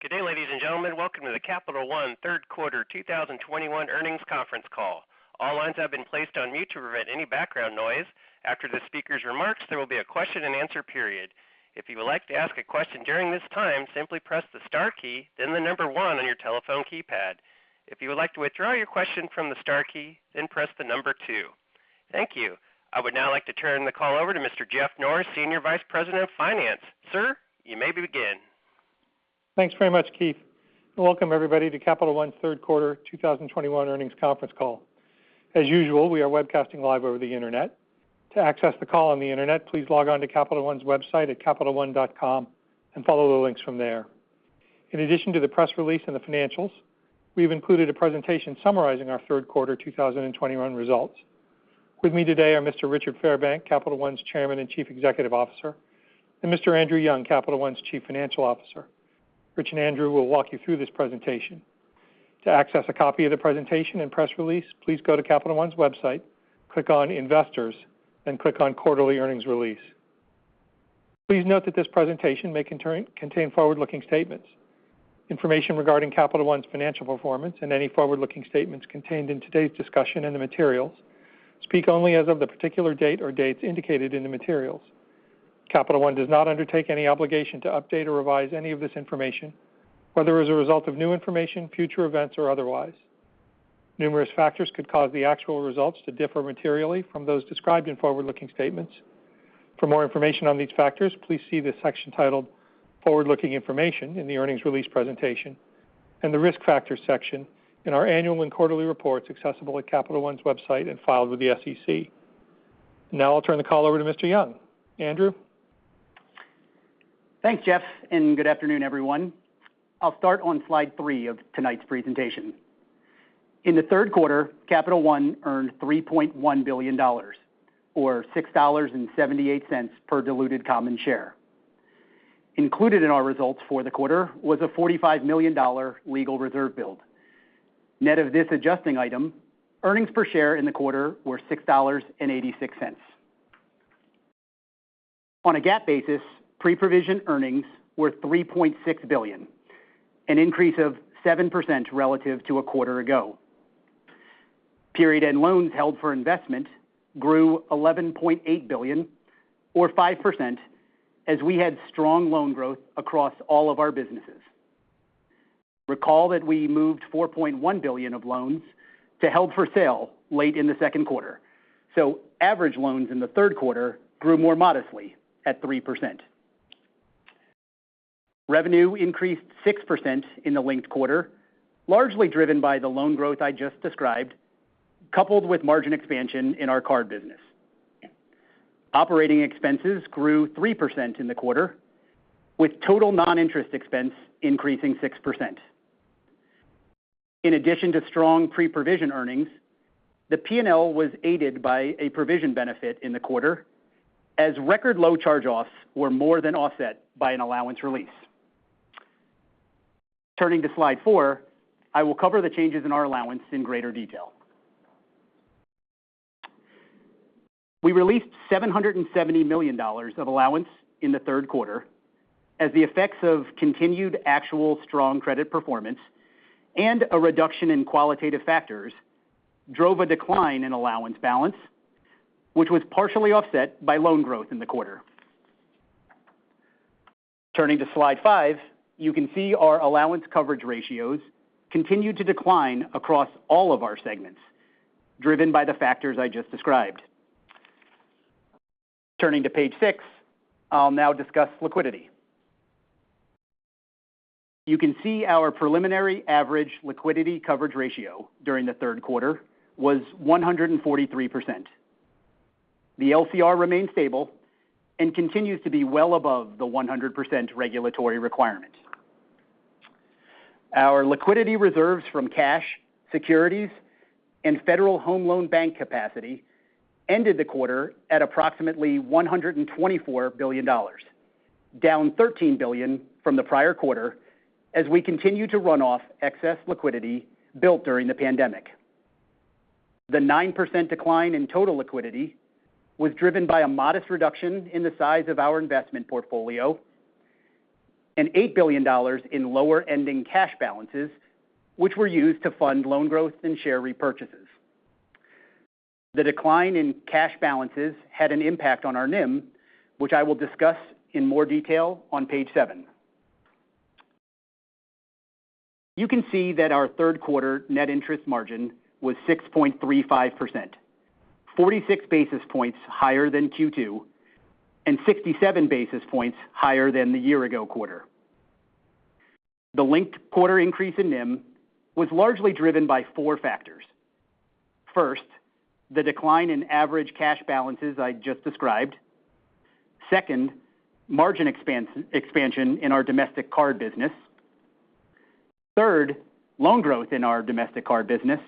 Good day, ladies and gentlemen. Welcome to the Capital One third quarter 2021 earnings conference call. All lines have been placed on mute to prevent any background noise. After the speaker's remarks, there will be a question-and-answer period. If you would like to ask a question during this time, simply press the star key, then the number one on your telephone keypad. If you would like to withdraw your question from the star key, then press the number two. Thank you. I would now like to turn the call over to Mr. Jeff Norris, Senior Vice President of Finance. Sir, you may begin. Thanks very much, Keith, and welcome everybody to Capital One third quarter 2021 earnings conference call. As usual, we are webcasting live over the Internet. To access the call on the Internet, please log on to Capital One's website at capitalone.com and follow the links from there. In addition to the press release and the financials, we've included a presentation summarizing our third quarter 2021 results. With me today are Mr. Richard Fairbank, Capital One's Chairman and Chief Executive Officer, and Mr. Andrew Young, Capital One's Chief Financial Officer. Rich and Andrew will walk you through this presentation. To access a copy of the presentation and press release, please go to Capital One's website, click on Investors, then click on Quarterly Earnings Release. Please note that this presentation may contain forward-looking statements. Information regarding Capital One's financial performance and any forward-looking statements contained in today's discussion and the materials speak only as of the particular date or dates indicated in the materials. Capital One does not undertake any obligation to update or revise any of this information, whether as a result of new information, future events, or otherwise. Numerous factors could cause the actual results to differ materially from those described in forward-looking statements. For more information on these factors, please see the section titled Forward-Looking Information in the earnings release presentation and the Risk Factors section in our annual and quarterly reports accessible at capitalone.com and filed with the SEC. Now I'll turn the call over to Mr. Young. Andrew. Thanks, Jeff, and good afternoon, everyone. I'll start on slide three of tonight's presentation. In the third quarter, Capital One earned $3.1 billion or $6.78 per diluted common share. Included in our results for the quarter was a $45 million legal reserve build. Net of this adjusting item, earnings per share in the quarter were $6.86. On a GAAP basis, pre-provision earnings were $3.6 billion, an increase of 7% relative to a quarter ago. Period-end loans held for investment grew $11.8 billion or 5% as we had strong loan growth across all of our businesses. Recall that we moved $4.1 billion of loans to held for sale late in the second quarter. Average loans in the third quarter grew more modestly at 3%. Revenue increased 6% in the linked quarter, largely driven by the loan growth I just described, coupled with margin expansion in our card business. Operating expenses grew 3% in the quarter, with total non-interest expense increasing 6%. In addition to strong pre-provision earnings, the P&L was aided by a provision benefit in the quarter as record low charge-offs were more than offset by an allowance release. Turning to slide 4, I will cover the changes in our allowance in greater detail. We released $770 million of allowance in the third quarter as the effects of continued actual strong credit performance and a reduction in qualitative factors drove a decline in allowance balance, which was partially offset by loan growth in the quarter. Turning to slide 5, you can see our allowance coverage ratios continued to decline across all of our segments, driven by the factors I just described. Turning to page 6, I'll now discuss liquidity. You can see our preliminary average liquidity coverage ratio during the third quarter was 143%. The LCR remains stable and continues to be well above the 100% regulatory requirement. Our liquidity reserves from cash, securities, and Federal Home Loan Bank capacity ended the quarter at approximately $124 billion, down $13 billion from the prior quarter as we continue to run off excess liquidity built during the pandemic. The 9% decline in total liquidity was driven by a modest reduction in the size of our investment portfolio and $8 billion in lower ending cash balances, which were used to fund loan growth and share repurchases. The decline in cash balances had an impact on our NIM, which I will discuss in more detail on page seven. You can see that our third quarter net interest margin was 6.35%, 46 basis points higher than Q2 and 67 basis points higher than the year-ago quarter. The linked quarter increase in NIM was largely driven by four factors. First, the decline in average cash balances I just described. Second, margin expansion in our domestic card business. Third, loan growth in our domestic card business.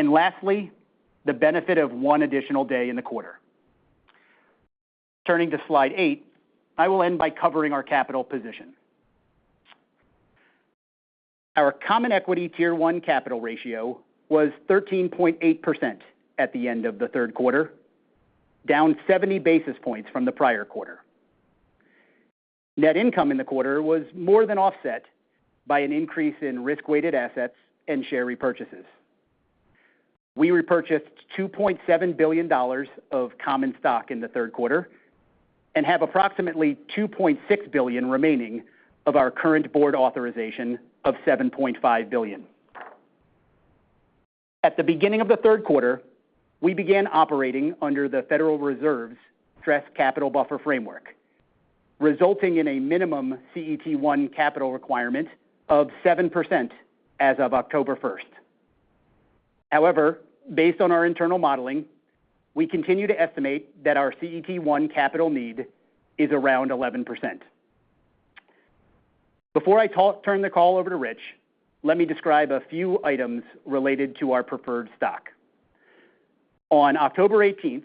Lastly, the benefit of one additional day in the quarter. Turning to slide eight, I will end by covering our capital position. Our Common Equity Tier 1 capital ratio was 13.8% at the end of the third quarter, down 70 basis points from the prior quarter. Net income in the quarter was more than offset by an increase in risk-weighted assets and share repurchases. We repurchased $2.7 billion of common stock in the third quarter and have approximately $2.6 billion remaining of our current board authorization of $7.5 billion. At the beginning of the third quarter, we began operating under the Federal Reserve's Stress Capital Buffer framework, resulting in a minimum CET1 capital requirement of 7% as of October 1. However, based on our internal modeling, we continue to estimate that our CET1 capital need is around 11%. Before I turn the call over to Rich, let me describe a few items related to our preferred stock. On October 18,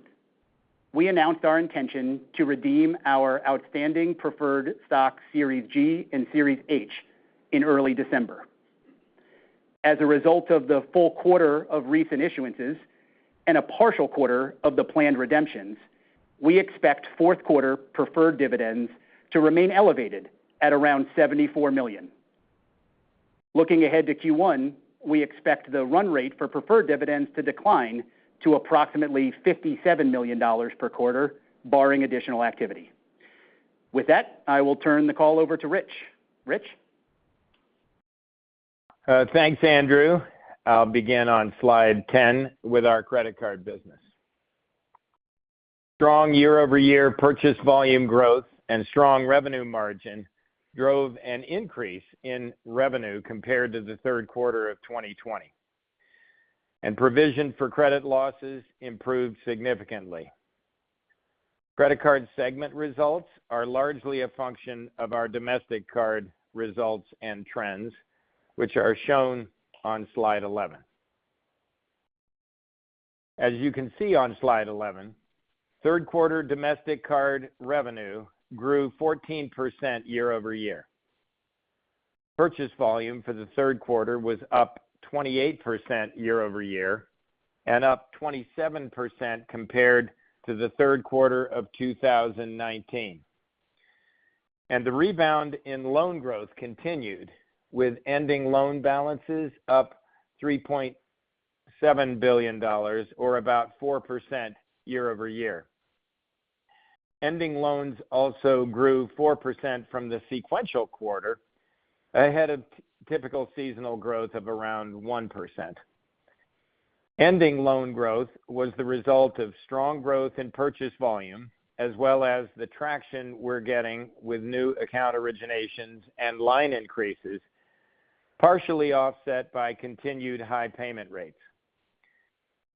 we announced our intention to redeem our outstanding preferred stock Series G and Series H in early December. As a result of the full quarter of recent issuances and a partial quarter of the planned redemptions, we expect fourth quarter preferred dividends to remain elevated at around $74 million. Looking ahead to Q1, we expect the run rate for preferred dividends to decline to approximately $57 million per quarter, barring additional activity. With that, I will turn the call over to Rich. Rich. Thanks, Andrew. I'll begin on slide 10 with our credit card business. Strong year-over-year purchase volume growth and strong revenue margin drove an increase in revenue compared to the third quarter of 2020. Provision for credit losses improved significantly. Credit card segment results are largely a function of our domestic card results and trends, which are shown on slide 11. As you can see on slide 11, third quarter domestic card revenue grew 14% year-over-year. Purchase volume for the third quarter was up 28% year-over-year and up 27% compared to the third quarter of 2019. The rebound in loan growth continued, with ending loan balances up $3.7 billion or about 4% year-over-year. Ending loans also grew 4% from the sequential quarter ahead of typical seasonal growth of around 1%. Ending loan growth was the result of strong growth in purchase volume, as well as the traction we're getting with new account originations and line increases, partially offset by continued high payment rates.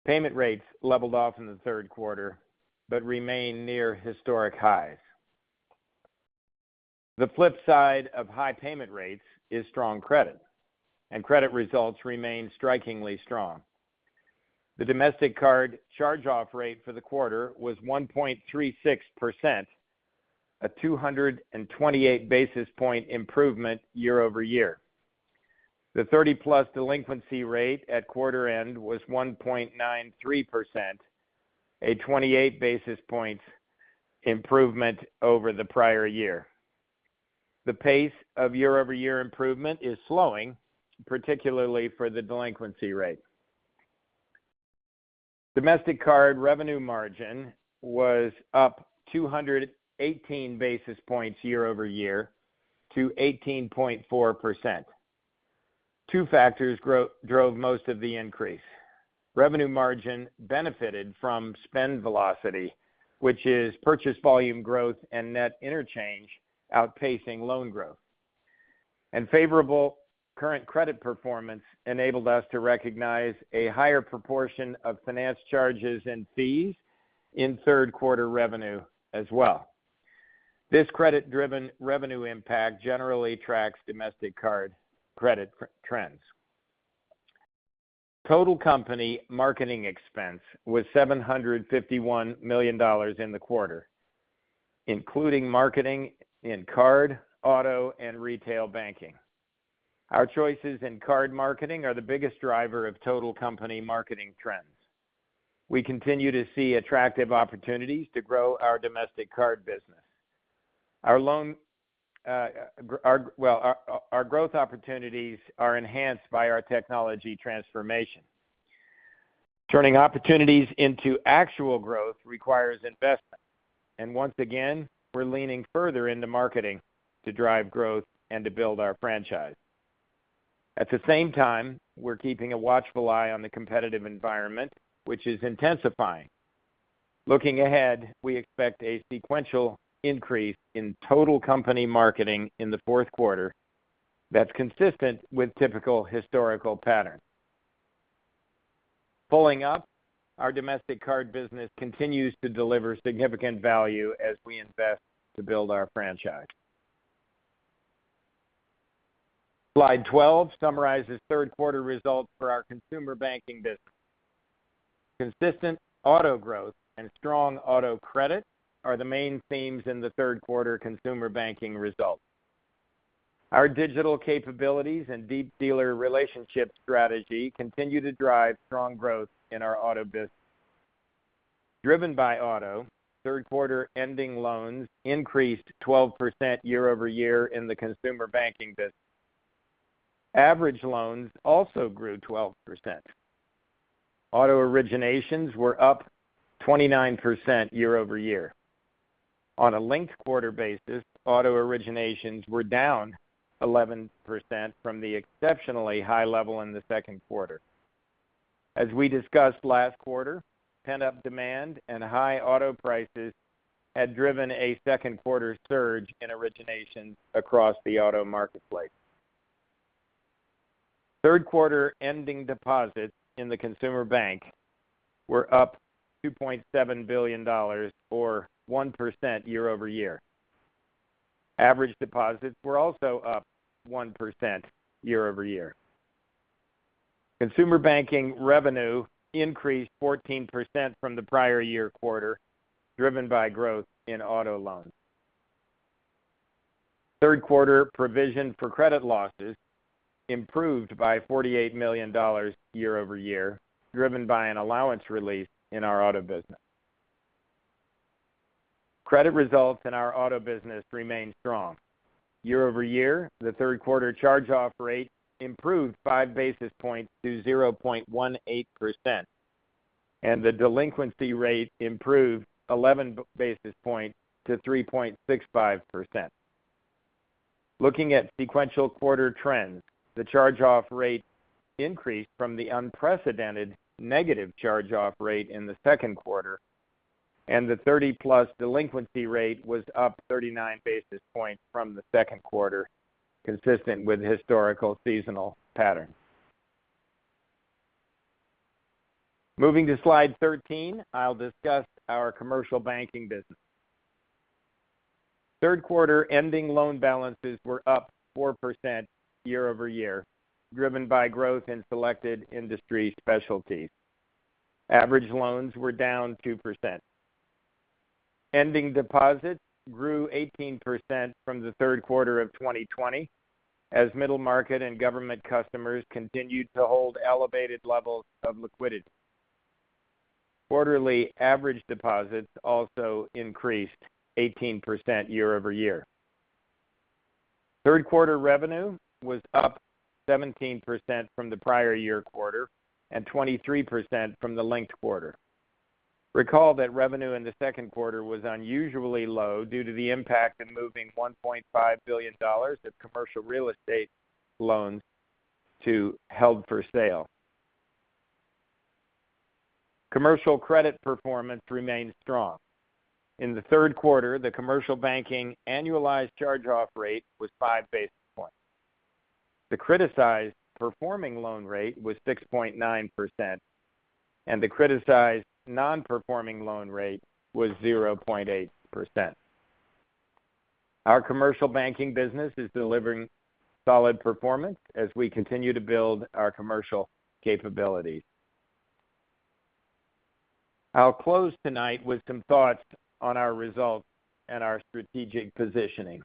Payment rates leveled off in the third quarter but remain near historic highs. The flip side of high payment rates is strong credit, and credit results remain strikingly strong. The domestic card charge-off rate for the quarter was 1.36%, a 228 basis point improvement year-over-year. The 30-plus delinquency rate at quarter end was 1.93%, a 28 basis points improvement over the prior year. The pace of year-over-year improvement is slowing, particularly for the delinquency rate. Domestic card revenue margin was up 218 basis points year-over-year to 18.4%. Two factors drove most of the increase. Revenue margin benefited from spend velocity, which is purchase volume growth and net interchange outpacing loan growth. Favorable current credit performance enabled us to recognize a higher proportion of finance charges and fees in third quarter revenue as well. This credit-driven revenue impact generally tracks domestic card credit trends. Total company marketing expense was $751 million in the quarter, including marketing in card, auto, and retail banking. Our choices in card marketing are the biggest driver of total company marketing trends. We continue to see attractive opportunities to grow our domestic card business. Our loan growth opportunities are enhanced by our technology transformation. Turning opportunities into actual growth requires investment, and once again, we're leaning further into marketing to drive growth and to build our franchise. At the same time, we're keeping a watchful eye on the competitive environment, which is intensifying. Looking ahead, we expect a sequential increase in total company marketing in the fourth quarter that's consistent with typical historical patterns. Pulling up, our domestic card business continues to deliver significant value as we invest to build our franchise. Slide 12 summarizes third-quarter results for our consumer banking business. Consistent auto growth and strong auto credit are the main themes in the third quarter consumer banking results. Our digital capabilities and deep dealer relationship strategy continue to drive strong growth in our auto business. Driven by auto, third-quarter ending loans increased 12% year-over-year in the consumer banking business. Average loans also grew 12%. Auto originations were up 29% year-over-year. On a linked-quarter basis, auto originations were down 11% from the exceptionally high level in the second quarter. As we discussed last quarter, pent-up demand and high auto prices had driven a second quarter surge in origination across the auto marketplace. Third-quarter ending deposits in the consumer bank were up $2.7 billion, or 1% year-over-year. Average deposits were also up 1% year-over-year. Consumer banking revenue increased 14% from the prior year quarter, driven by growth in auto loans. Third-quarter provision for credit losses improved by $48 million year-over-year, driven by an allowance release in our auto business. Credit results in our auto business remained strong. Year-over-year, the third quarter charge-off rate improved 5 basis points to 0.18%, and the delinquency rate improved 11 basis points to 3.65%. Looking at sequential quarter trends, the charge-off rate increased from the unprecedented negative charge-off rate in the second quarter, and the 30+ delinquency rate was up 39 basis points from the second quarter, consistent with historical seasonal patterns. Moving to slide 13, I'll discuss our commercial banking business. Third-quarter ending loan balances were up 4% year-over-year, driven by growth in selected industry specialties. Average loans were down 2%. Ending deposits grew 18% from the third quarter of 2020 as middle market and government customers continued to hold elevated levels of liquidity. Quarterly average deposits also increased 18% year-over-year. Third-quarter revenue was up 17% from the prior year quarter and 23% from the linked quarter. Recall that revenue in the second quarter was unusually low due to the impact of moving $1.5 billion of commercial real estate loans to held-for-sale. Commercial credit performance remained strong. In the third quarter, the commercial banking annualized charge-off rate was 5 basis points. The criticized performing loan rate was 6.9%, and the criticized nonperforming loan rate was 0.8%. Our commercial banking business is delivering solid performance as we continue to build our commercial capabilities. I'll close tonight with some thoughts on our results and our strategic positioning.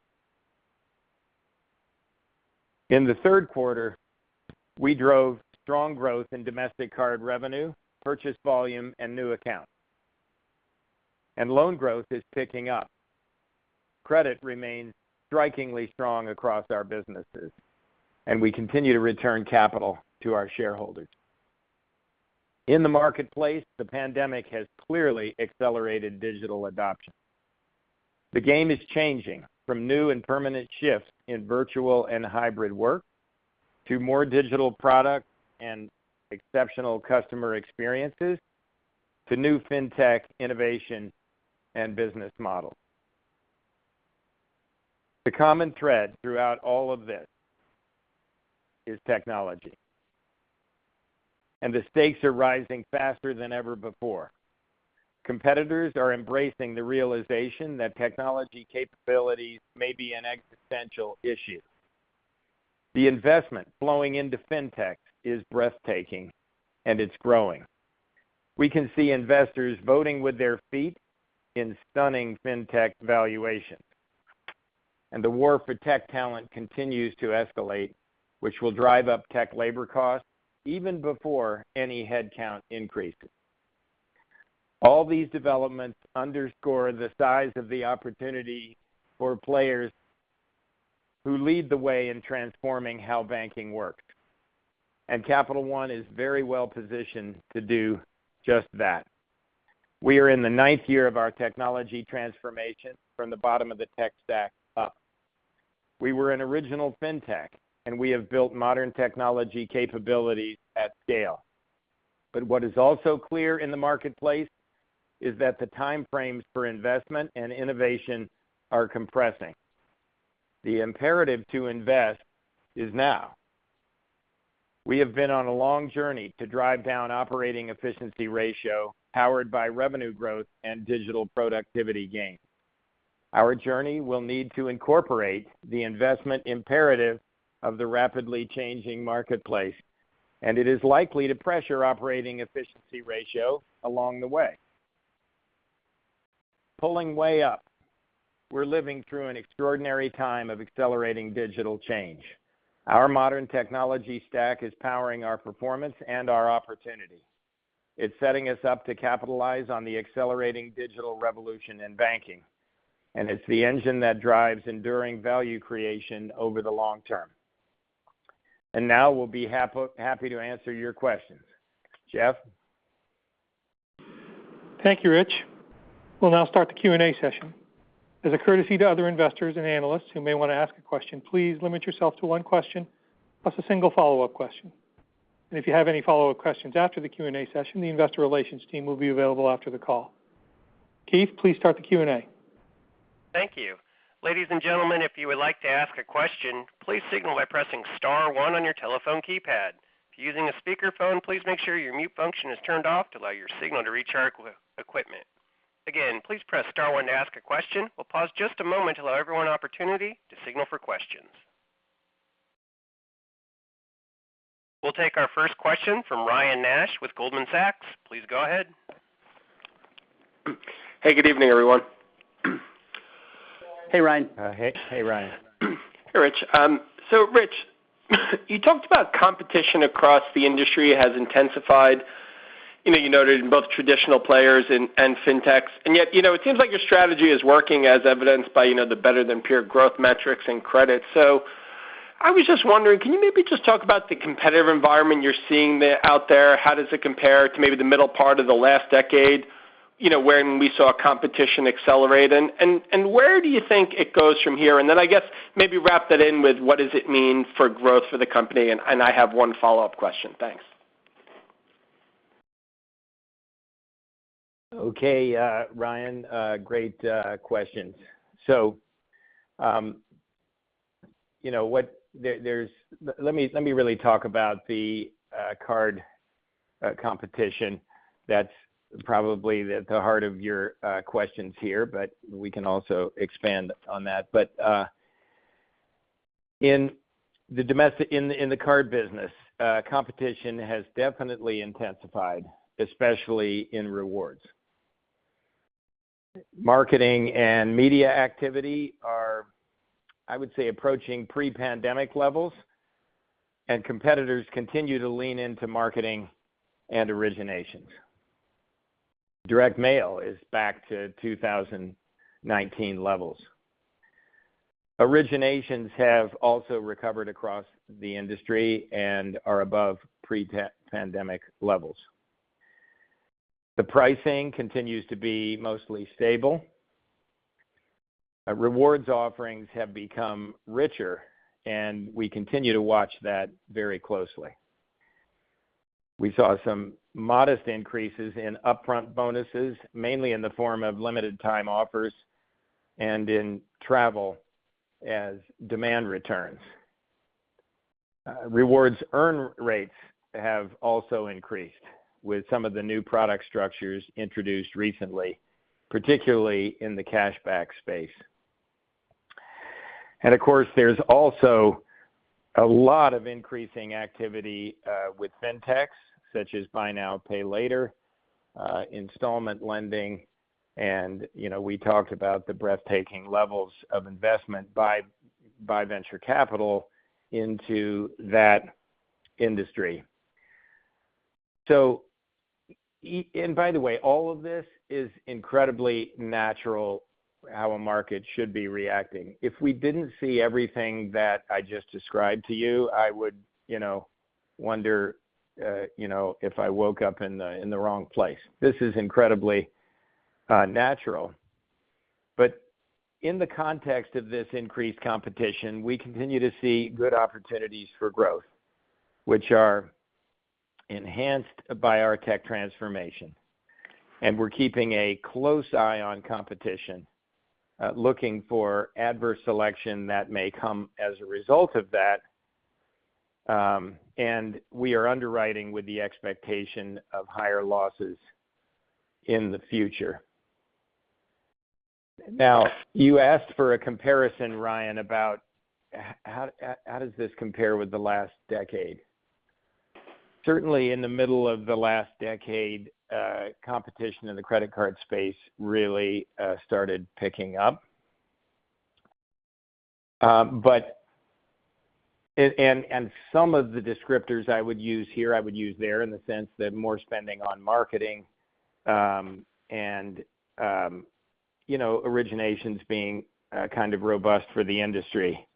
In the third quarter, we drove strong growth in domestic card revenue, purchase volume, and new accounts. Loan growth is picking up. Credit remains strikingly strong across our businesses, and we continue to return capital to our shareholders. In the marketplace, the pandemic has clearly accelerated digital adoption. The game is changing from new and permanent shifts in virtual and hybrid work to more digital products and exceptional customer experiences to new fintech innovation and business models. The common thread throughout all of this is technology, and the stakes are rising faster than ever before. Competitors are embracing the realization that technology capabilities may be an existential issue. The investment flowing into fintech is breathtaking, and it's growing. We can see investors voting with their feet in stunning fintech valuations. The war for tech talent continues to escalate, which will drive up tech labor costs even before any headcount increases. All these developments underscore the size of the opportunity for players who lead the way in transforming how banking works. Capital One is very well-positioned to do just that. We are in the ninth year of our technology transformation from the bottom of the tech stack up. We were an original fintech, and we have built modern technology capabilities at scale. What is also clear in the marketplace is that the time frames for investment and innovation are compressing. The imperative to invest is now. We have been on a long journey to drive down operating efficiency ratio powered by revenue growth and digital productivity gains. Our journey will need to incorporate the investment imperative of the rapidly changing marketplace, and it is likely to pressure operating efficiency ratio along the way. Pulling way up, we're living through an extraordinary time of accelerating digital change. Our modern technology stack is powering our performance and our opportunity. It's setting us up to capitalize on the accelerating digital revolution in banking, and it's the engine that drives enduring value creation over the long term. Now we'll be happy to answer your questions. Jeff? Thank you, Rich. We'll now start the Q&A session. As a courtesy to other investors and analysts who may want to ask a question, please limit yourself to one question, plus a single follow-up question. If you have any follow-up questions after the Q&A session, the investor relations team will be available after the call. Keith, please start the Q&A. Thank you. Ladies and gentlemen, if you would like to ask a question, please signal by pressing star one on your telephone keypad. If you're using a speakerphone, please make sure your mute function is turned off to allow your signal to reach our equipment. Again, please press star one to ask a question. We'll pause just a moment to allow everyone an opportunity to signal for questions. We'll take our first question from Ryan Nash with Goldman Sachs. Please go ahead. Hey, good evening, everyone. Hey, Ryan. Hey, Ryan. Hey, Rich. Rich, you talked about competition across the industry has intensified. You know, you noted in both traditional players and fintechs. Yet, you know, it seems like your strategy is working as evidenced by, you know, the better-than-peer growth metrics and credits. I was just wondering, can you maybe just talk about the competitive environment you're seeing out there? How does it compare to maybe the middle part of the last decade, you know, when we saw competition accelerating? Where do you think it goes from here? Then I guess maybe wrap that in with what does it mean for growth for the company? I have one follow-up question. Thanks. Okay. Yeah, Ryan, great questions. You know what? Let me really talk about the card competition. That's probably the heart of your questions here, but we can also expand on that. In the card business, competition has definitely intensified, especially in rewards. Marketing and media activity are, I would say, approaching pre-pandemic levels, and competitors continue to lean into marketing and originations. Direct mail is back to 2019 levels. Originations have also recovered across the industry and are above pre-pandemic levels. The pricing continues to be mostly stable. Rewards offerings have become richer, and we continue to watch that very closely. We saw some modest increases in upfront bonuses, mainly in the form of limited time offers and in travel as demand returns. Rewards earn rates have also increased with some of the new product structures introduced recently, particularly in the cashback space. Of course, there's also a lot of increasing activity with fintechs such as Buy Now, Pay Later, installment lending, and, you know, we talked about the breathtaking levels of investment by venture capital into that industry. By the way, all of this is incredibly natural how a market should be reacting. If we didn't see everything that I just described to you, I would, you know, wonder, you know, if I woke up in the wrong place. This is incredibly natural. In the context of this increased competition, we continue to see good opportunities for growth, which are enhanced by our tech transformation. We're keeping a close eye on competition, looking for adverse selection that may come as a result of that. We are underwriting with the expectation of higher losses in the future. Now, you asked for a comparison, Ryan, about how does this compare with the last decade. Certainly in the middle of the last decade, competition in the credit card space really started picking up. But some of the descriptors I would use here, I would use there in the sense that more spending on marketing, and you know, originations being kind of robust for the industry.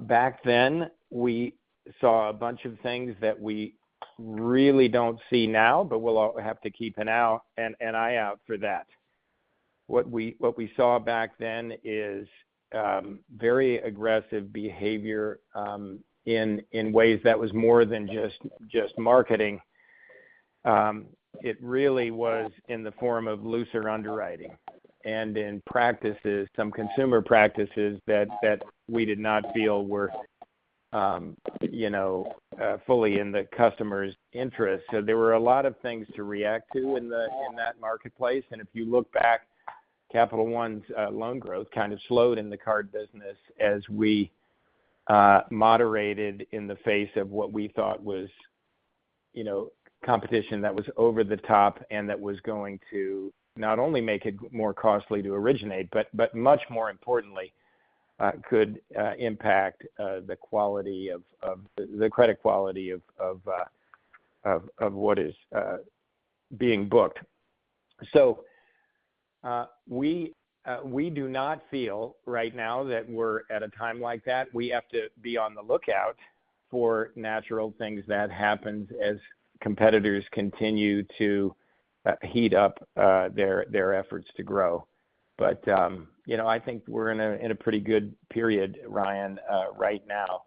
Back then, we saw a bunch of things that we really don't see now, but we'll have to keep an eye out for that. What we saw back then is very aggressive behavior in ways that was more than just marketing. It really was in the form of looser underwriting and practices, some consumer practices that we did not feel were, you know, fully in the customer's interest. There were a lot of things to react to in that marketplace. If you look back, Capital One's loan growth kind of slowed in the card business as we moderated in the face of what we thought was, you know, competition that was over the top, and that was going to not only make it more costly to originate, but much more importantly could impact the quality of the credit quality of what is being booked. We do not feel right now that we're at a time like that. We have to be on the lookout for natural things that happen as competitors continue to heat up their efforts to grow. You know, I think we're in a pretty good period, Ryan, right now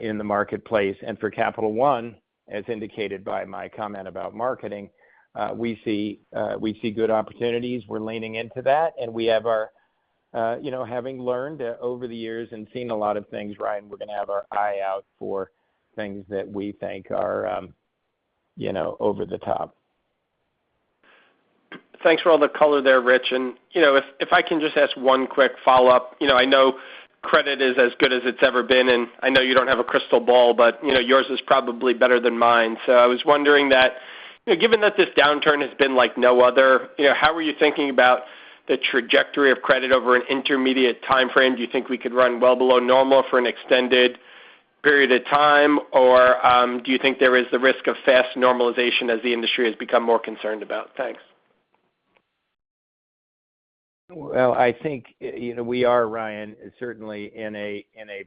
in the marketplace. For Capital One, as indicated by my comment about marketing, we see good opportunities. We're leaning into that, and we have our you know, having learned over the years and seen a lot of things, Ryan, we're gonna have our eye out for things that we think are you know, over the top. Thanks for all the color there, Rich. You know, if I can just ask one quick follow-up. You know, I know credit is as good as it's ever been, and I know you don't have a crystal ball, but, you know, yours is probably better than mine. I was wondering that, you know, given that this downturn has been like no other, you know, how are you thinking about the trajectory of credit over an intermediate timeframe? Do you think we could run well below normal for an extended period of time? Do you think there is the risk of fast normalization as the industry has become more concerned about? Thanks. Well, I think you know we are, Ryan, certainly in a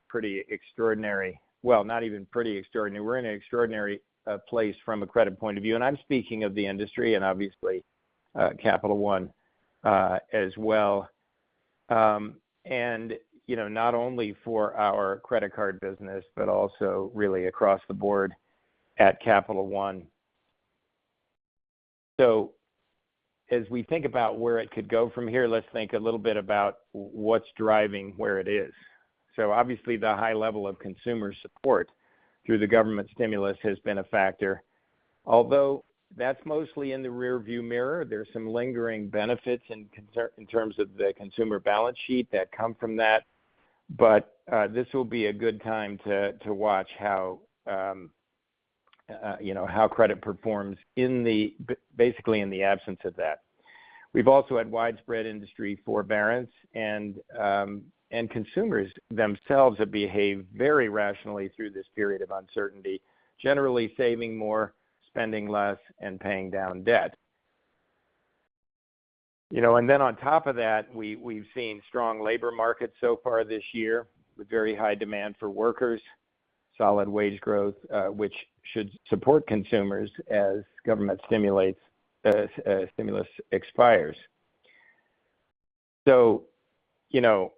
pretty extraordinary. Well, not even pretty extraordinary. We're in an extraordinary place from a credit point of view, and I'm speaking of the industry and obviously Capital One as well. You know, not only for our credit card business, but also really across the board at Capital One. As we think about where it could go from here, let's think a little bit about what's driving where it is. Obviously, the high level of consumer support through the government stimulus has been a factor. Although that's mostly in the rearview mirror, there's some lingering benefits in terms of the consumer balance sheet that come from that. This will be a good time to watch how, you know, how credit performs basically, in the absence of that. We've also had widespread industry forbearance and consumers themselves have behaved very rationally through this period of uncertainty, generally saving more, spending less, and paying down debt. You know, and then on top of that, we've seen strong labor markets so far this year with very high demand for workers, solid wage growth, which should support consumers as government stimulus expires. You know,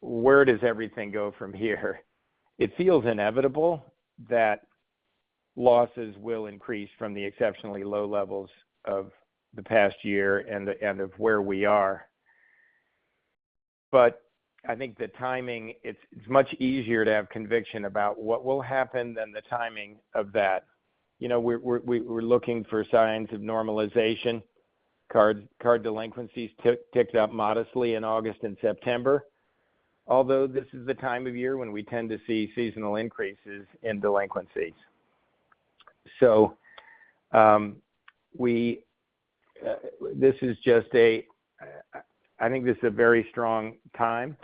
where does everything go from here? It feels inevitable that losses will increase from the exceptionally low levels of the past year and of where we are. I think the timing, it's much easier to have conviction about what will happen than the timing of that. You know, we're looking for signs of normalization. Card delinquencies ticked up modestly in August and September, although this is the time of year when we tend to see seasonal increases in delinquencies. I think this is a very strong time.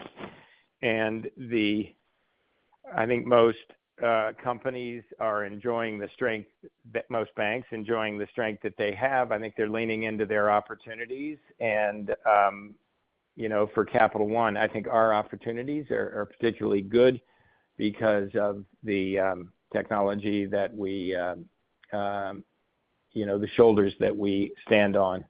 I think most companies are enjoying the strength that most banks are enjoying, the strength that they have. I think they're leaning into their opportunities, and you know, for Capital One, I think our opportunities are particularly good because of the technology that we, you know, the shoulders that we stand on.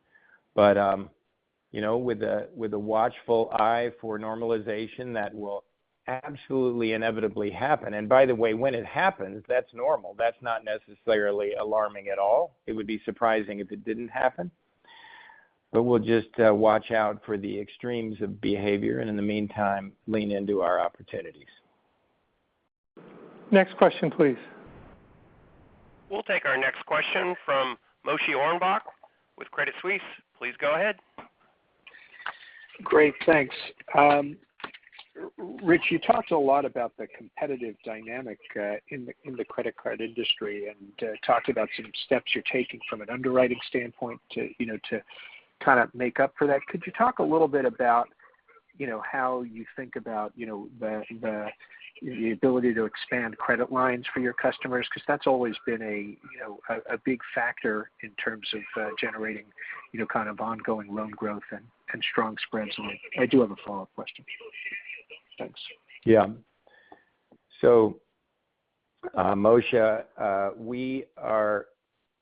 You know, with a watchful eye for normalization, that will absolutely inevitably happen. By the way, when it happens, that's normal. That's not necessarily alarming at all. It would be surprising if it didn't happen. We'll just watch out for the extremes of behavior, and in the meantime, lean into our opportunities. Next question, please. We'll take our next question from Moshe Orenbuch with Credit Suisse. Please go ahead. Great, thanks. Rich, you talked a lot about the competitive dynamic in the credit card industry and talked about some steps you're taking from an underwriting standpoint to kind of make up for that. Could you talk a little bit about how you think about the ability to expand credit lines for your customers? 'Cause that's always been a big factor in terms of generating kind of ongoing loan growth and strong spreads. I do have a follow-up question. Thanks. Yeah. Moshe, we are,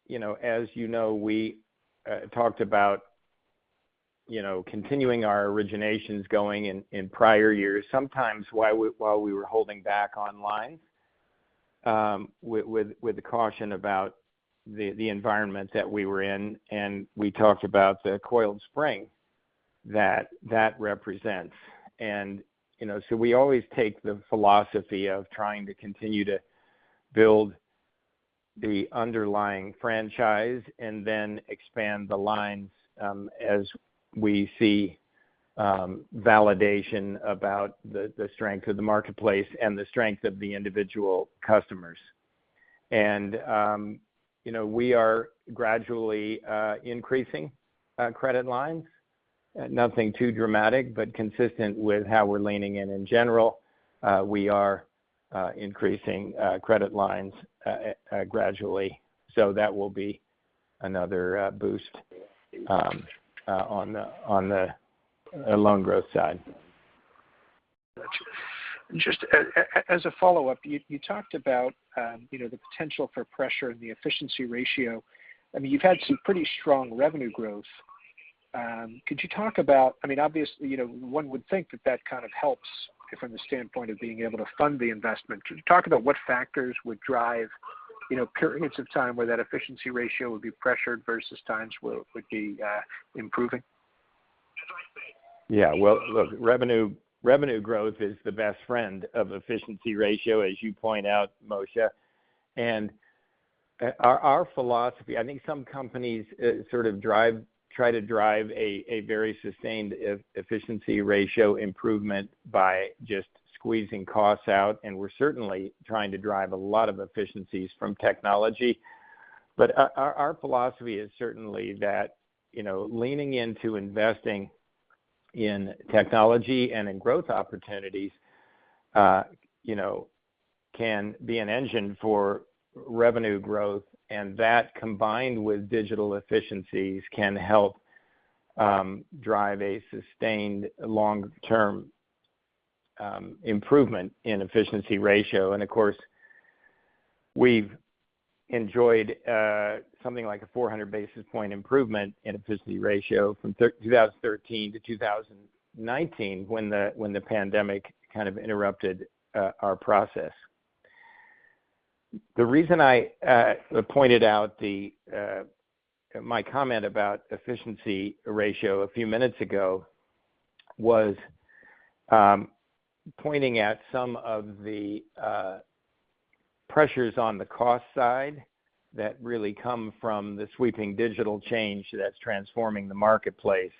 you know, as you know, we talked about, you know, continuing our originations going in in prior years, sometimes while we were holding back online. With the caution about the environment that we were in, and we talked about the coiled spring that that represents. You know, we always take the philosophy of trying to continue to build the underlying franchise and then expand the lines, as we see validation about the strength of the marketplace and the strength of the individual customers. You know, we are gradually increasing credit lines. Nothing too dramatic, but consistent with how we're leaning in in general. We are increasing credit lines gradually. That will be another boost on the loan growth side. Just as a follow-up, you talked about, you know, the potential for pressure in the efficiency ratio. I mean, you've had some pretty strong revenue growth. Could you talk about, I mean, obviously, you know, one would think that that kind of helps from the standpoint of being able to fund the investment. Could you talk about what factors would drive, you know, periods of time where that efficiency ratio would be pressured versus times where it would be improving? Yeah. Well, look, revenue growth is the best friend of efficiency ratio, as you point out, Moshe. Our philosophy, I think some companies sort of try to drive a very sustained efficiency ratio improvement by just squeezing costs out, and we're certainly trying to drive a lot of efficiencies from technology. Our philosophy is certainly that, you know, leaning into investing in technology and in growth opportunities, you know, can be an engine for revenue growth. That, combined with digital efficiencies, can help drive a sustained long-term improvement in efficiency ratio. Of course, we've enjoyed something like a 400 basis point improvement in efficiency ratio from 2013 to 2019 when the pandemic kind of interrupted our process. The reason I pointed out my comment about efficiency ratio a few minutes ago was pointing at some of the pressures on the cost side that really come from the sweeping digital change that's transforming the marketplace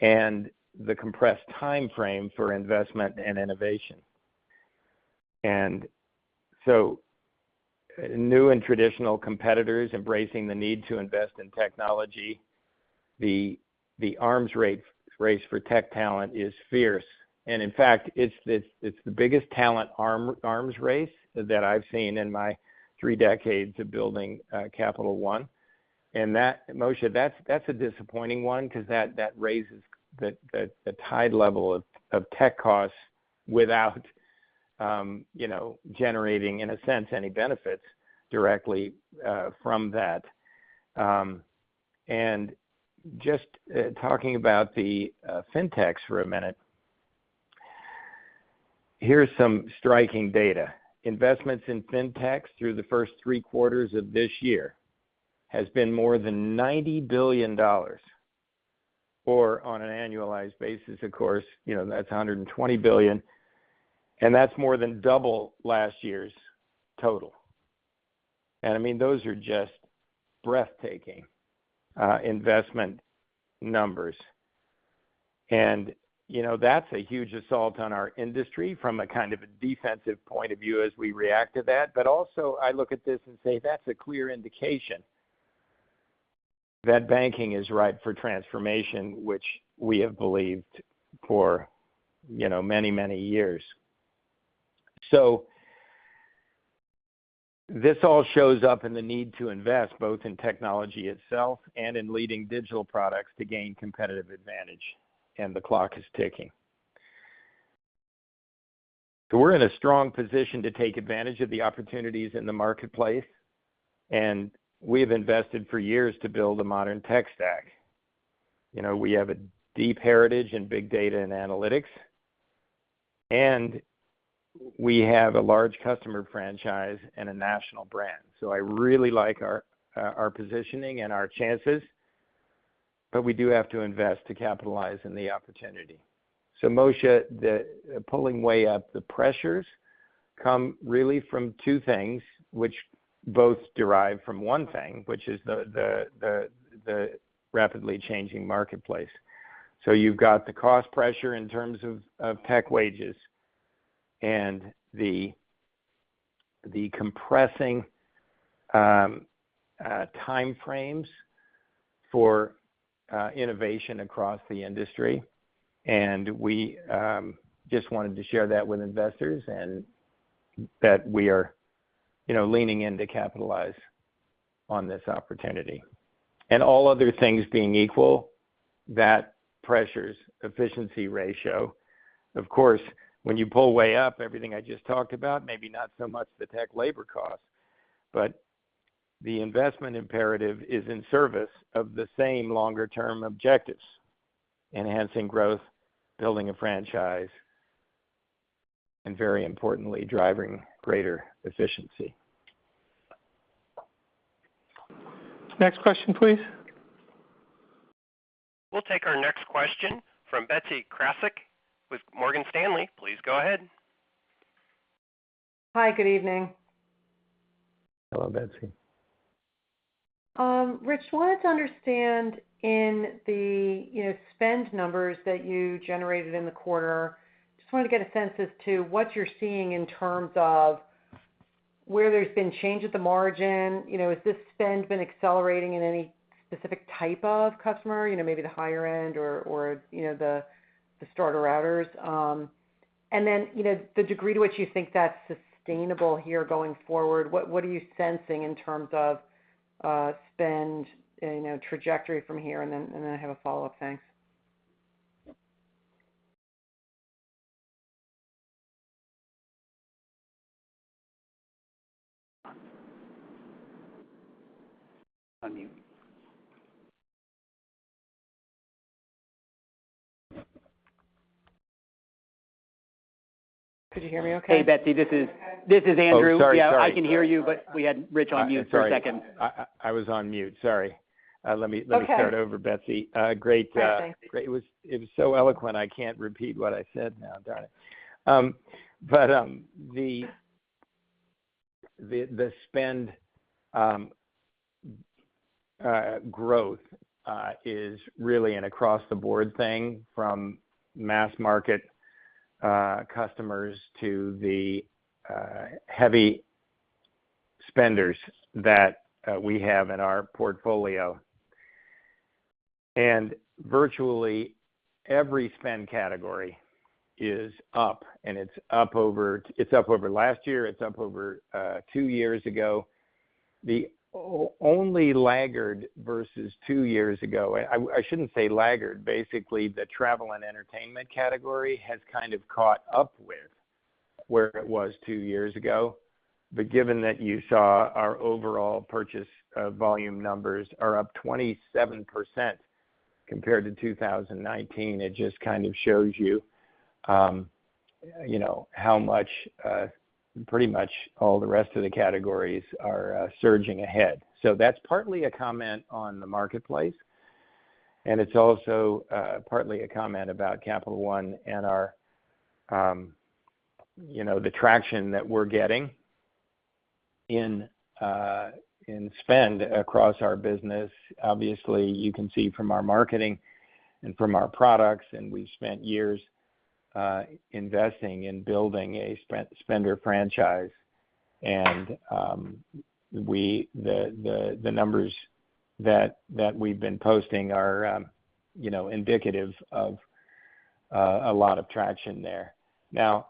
and the compressed timeframe for investment and innovation. New and traditional competitors embracing the need to invest in technology, the arms race for tech talent is fierce. In fact, it's the biggest talent arms race that I've seen in my three decades of building Capital One. Moshe, that's a disappointing one because that raises the tide level of tech costs without you know generating, in a sense, any benefits directly from that. Just talking about the fintechs for a minute. Here's some striking data. Investments in Fintechs through the first three quarters of this year has been more than $90 billion, or on an annualized basis, of course, you know, that's $120 billion, and that's more than double last year's total. I mean, those are just breathtaking, investment numbers. You know, that's a huge assault on our industry from a kind of a defensive point of view as we react to that. I look at this and say, that's a clear indication that banking is ripe for transformation, which we have believed for, you know, many, many years. This all shows up in the need to invest both in technology itself and in leading digital products to gain competitive advantage, and the clock is ticking. We're in a strong position to take advantage of the opportunities in the marketplace, and we have invested for years to build a modern tech stack. You know, we have a deep heritage in big data and analytics, and we have a large customer franchise and a national brand. I really like our positioning and our chances, but we do have to invest to capitalize on the opportunity. Moshe, the pressures come really from two things, which both derive from one thing, which is the rapidly changing marketplace. You've got the cost pressure in terms of tech wages and the compressing time frames for innovation across the industry. We just wanted to share that with investors and that we are, you know, leaning in to capitalize on this opportunity. All other things being equal, that pressures efficiency ratio. Of course, when you pull way up everything I just talked about, maybe not so much the tech labor cost. The investment imperative is in service of the same longer-term objectives, enhancing growth, building a franchise, and very importantly, driving greater efficiency. Next question, please. We'll take our next question from Betsy Graseck with Morgan Stanley. Please go ahead. Hi, good evening. Hello, Betsy. Rich, I wanted to understand in the, you know, spend numbers that you generated in the quarter. Just wanted to get a sense as to what you're seeing in terms of where there's been change at the margin. You know, has this spend been accelerating in any specific type of customer, you know, maybe the higher end or, you know, the starter cards, and then, you know, the degree to which you think that's sustainable here going forward. What are you sensing in terms of spend and, you know, trajectory from here? I have a follow-up. Thanks. Could you hear me okay? Hey, Betsy, this is Andrew. Oh, sorry. Sorry. Yeah, I can hear you, but we had Rich on mute for a second. Sorry. I was on mute. Sorry. Let me- Okay. Let me start over, Betsy. All right. Thanks. Great. It was so eloquent, I can't repeat what I said now. Darn it. The spend growth is really an across-the-board thing from mass market customers to the heavy spenders that we have in our portfolio. Virtually every spend category is up, and it's up over last year, it's up over two years ago. The only laggard versus two years ago, I shouldn't say laggard. Basically, the travel and entertainment category has kind of caught up with where it was two years ago. Given that you saw our overall purchase volume numbers are up 27% compared to 2019, it just kind of shows you know, how much pretty much all the rest of the categories are surging ahead. That's partly a comment on the marketplace, and it's also partly a comment about Capital One and our, you know, the traction that we're getting in spend across our business. Obviously, you can see from our marketing and from our products, and we've spent years investing in building a spender franchise. The numbers that we've been posting are, you know, indicative of a lot of traction there. Now,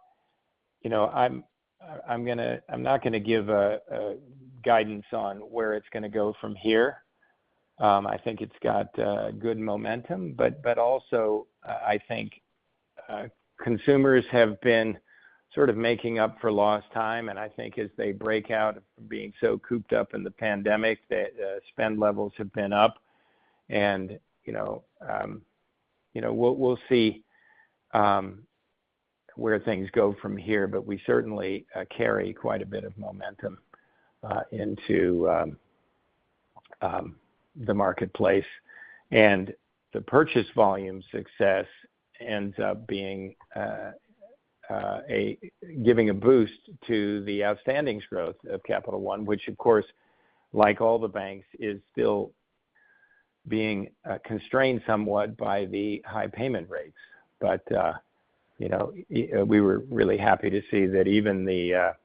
you know, I'm not gonna give a guidance on where it's gonna go from here. I think it's got good momentum, but also, I think consumers have been sort of making up for lost time. I think as they break out from being so cooped up in the pandemic, the spend levels have been up and you know we'll see where things go from here. We certainly carry quite a bit of momentum into the marketplace. The purchase volume success ends up being giving a boost to the outstandings growth of Capital One, which of course, like all the banks, is still being constrained somewhat by the high payment rates. You know we were really happy to see that even the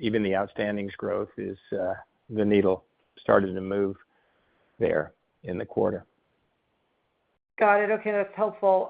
outstandings growth is the needle started to move there in the quarter. Got it. Okay, that's helpful.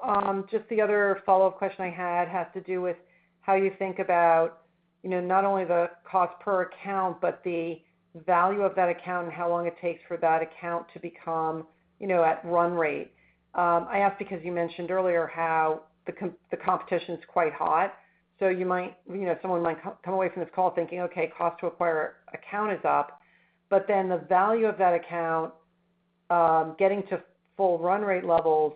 Just the other follow-up question I had has to do with how you think about, you know, not only the cost per account, but the value of that account and how long it takes for that account to become, you know, at run rate. I ask because you mentioned earlier how the competition's quite hot, so you might, you know, someone might come away from this call thinking, "Okay, cost to acquire account is up," but then the value of that account, getting to full run rate levels,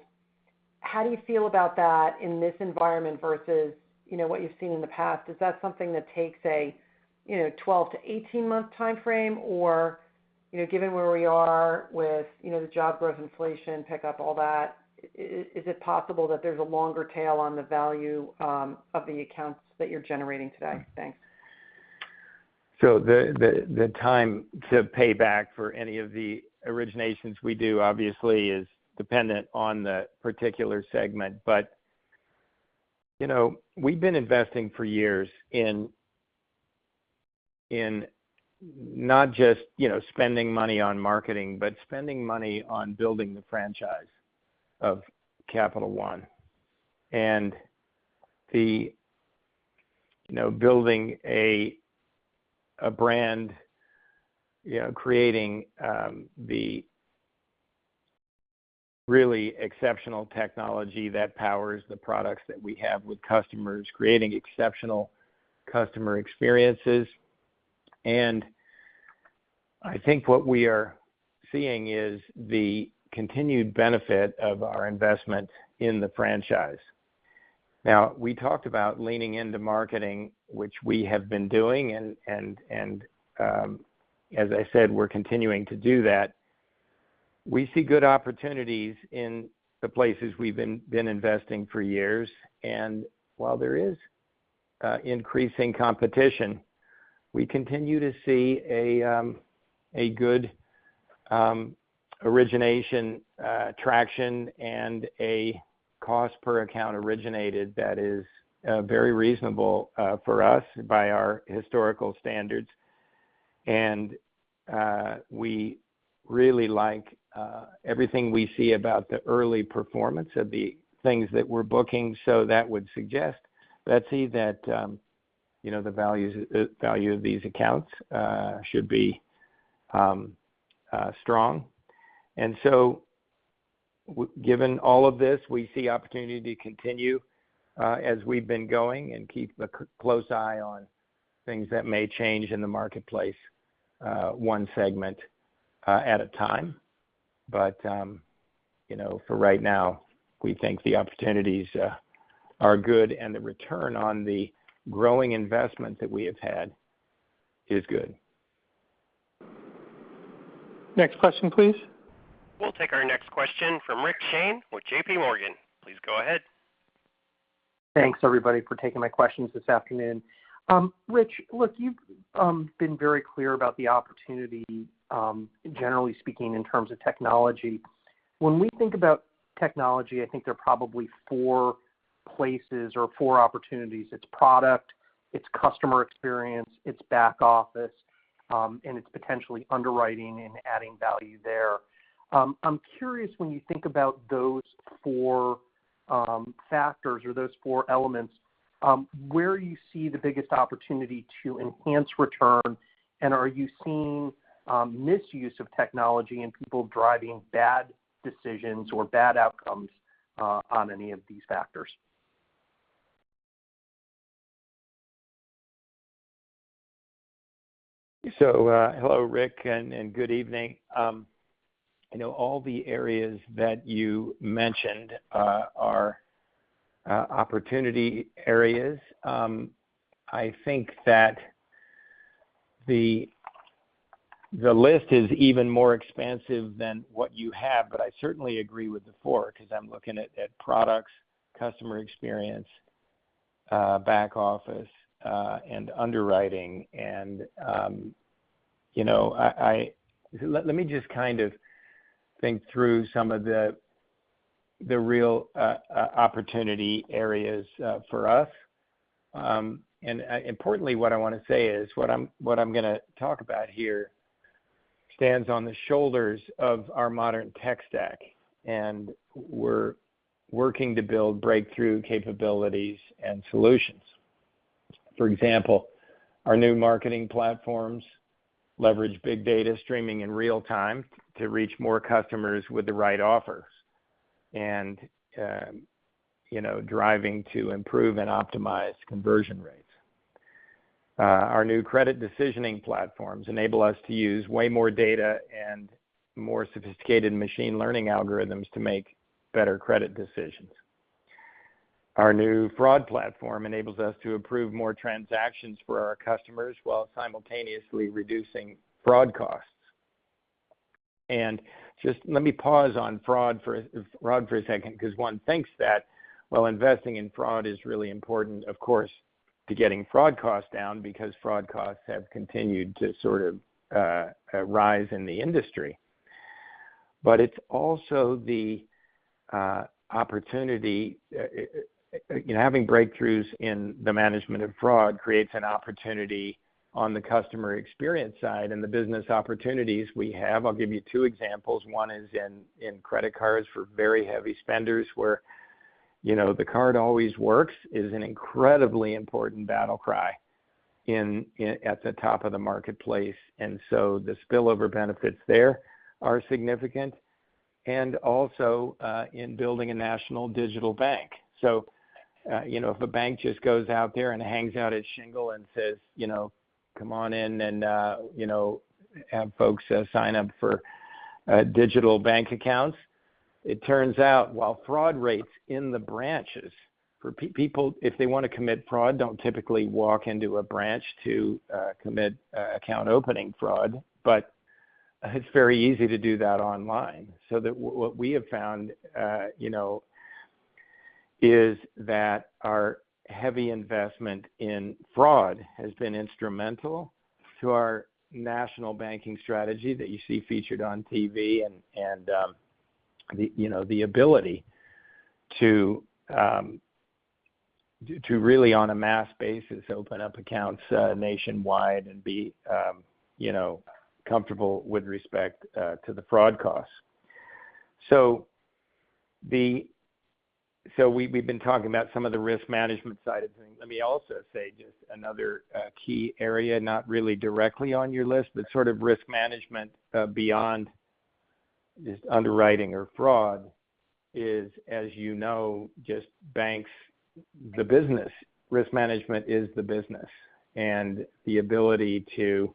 how do you feel about that in this environment versus, you know, what you've seen in the past? Is that something that takes a, you know, 12- to 18-month timeframe? You know, given where we are with, you know, the job growth, inflation pickup, all that, is it possible that there's a longer tail on the value of the accounts that you're generating today? Thanks. The time to pay back for any of the originations we do, obviously, is dependent on the particular segment. You know, we've been investing for years in not just spending money on marketing, but spending money on building the franchise of Capital One. You know, building a brand, you know, creating the really exceptional technology that powers the products that we have with customers, creating exceptional customer experiences. I think what we are seeing is the continued benefit of our investment in the franchise. Now, we talked about leaning into marketing, which we have been doing, and as I said, we're continuing to do that. We see good opportunities in the places we've been investing for years. While there is increasing competition, we continue to see a good origination traction and a cost per account originated that is very reasonable for us by our historical standards. We really like everything we see about the early performance of the things that we're booking. That would suggest, Betsy, that you know, the value of these accounts should be strong. Given all of this, we see opportunity to continue as we've been going and keep a close eye on things that may change in the marketplace one segment at a time. You know, for right now, we think the opportunities are good and the return on the growing investment that we have had is good. Next question, please. We'll take our next question from Richard Shane with JPMorgan. Please go ahead. Thanks everybody for taking my questions this afternoon. Rich, look, you've been very clear about the opportunity, generally speaking in terms of technology. When we think about technology, I think there are probably four places or four opportunities. It's product, it's customer experience, it's back office, and it's potentially underwriting and adding value there. I'm curious when you think about those four factors or those four elements, where you see the biggest opportunity to enhance return, and are you seeing misuse of technology and people driving bad decisions or bad outcomes on any of these factors? Hello, Rick, and good evening. I know all the areas that you mentioned are opportunity areas. I think that the list is even more expansive than what you have, but I certainly agree with the four 'cause I'm looking at products, customer experience, back office, and underwriting. You know, let me just kind of think through some of the real opportunity areas for us. Importantly, what I wanna say is, what I'm gonna talk about here stands on the shoulders of our modern tech stack, and we're working to build breakthrough capabilities and solutions. For example, our new marketing platforms leverage big data streaming in real time to reach more customers with the right offers and, you know, driving to improve and optimize conversion rates. Our new credit decisioning platforms enable us to use way more data and more sophisticated machine learning algorithms to make better credit decisions. Our new fraud platform enables us to approve more transactions for our customers while simultaneously reducing fraud costs. Just let me pause on fraud for a second because one thinks that while investing in fraud is really important, of course, to getting fraud costs down because fraud costs have continued to sort of rise in the industry. But it's also the opportunity. You know, having breakthroughs in the management of fraud creates an opportunity on the customer experience side and the business opportunities we have. I'll give you two examples. One is in credit cards for very heavy spenders where, you know, the card always works is an incredibly important battle cry in at the top of the marketplace. The spillover benefits there are significant and also in building a national digital bank. You know, if a bank just goes out there and hangs out its shingle and says, you know, "Come on in," and you know, have folks sign up for digital bank accounts, it turns out while fraud rates in the branches for people, if they wanna commit fraud, don't typically walk into a branch to commit account opening fraud, but it's very easy to do that online. That what we have found is that our heavy investment in fraud has been instrumental to our national banking strategy that you see featured on TV and the ability to really on a mass basis open up accounts nationwide and be comfortable with respect to the fraud costs. We have been talking about some of the risk management side of things. Let me also say just another key area, not really directly on your list, but sort of risk management beyond just underwriting or fraud is, as you know, for banks, the business. Risk management is the business. The ability to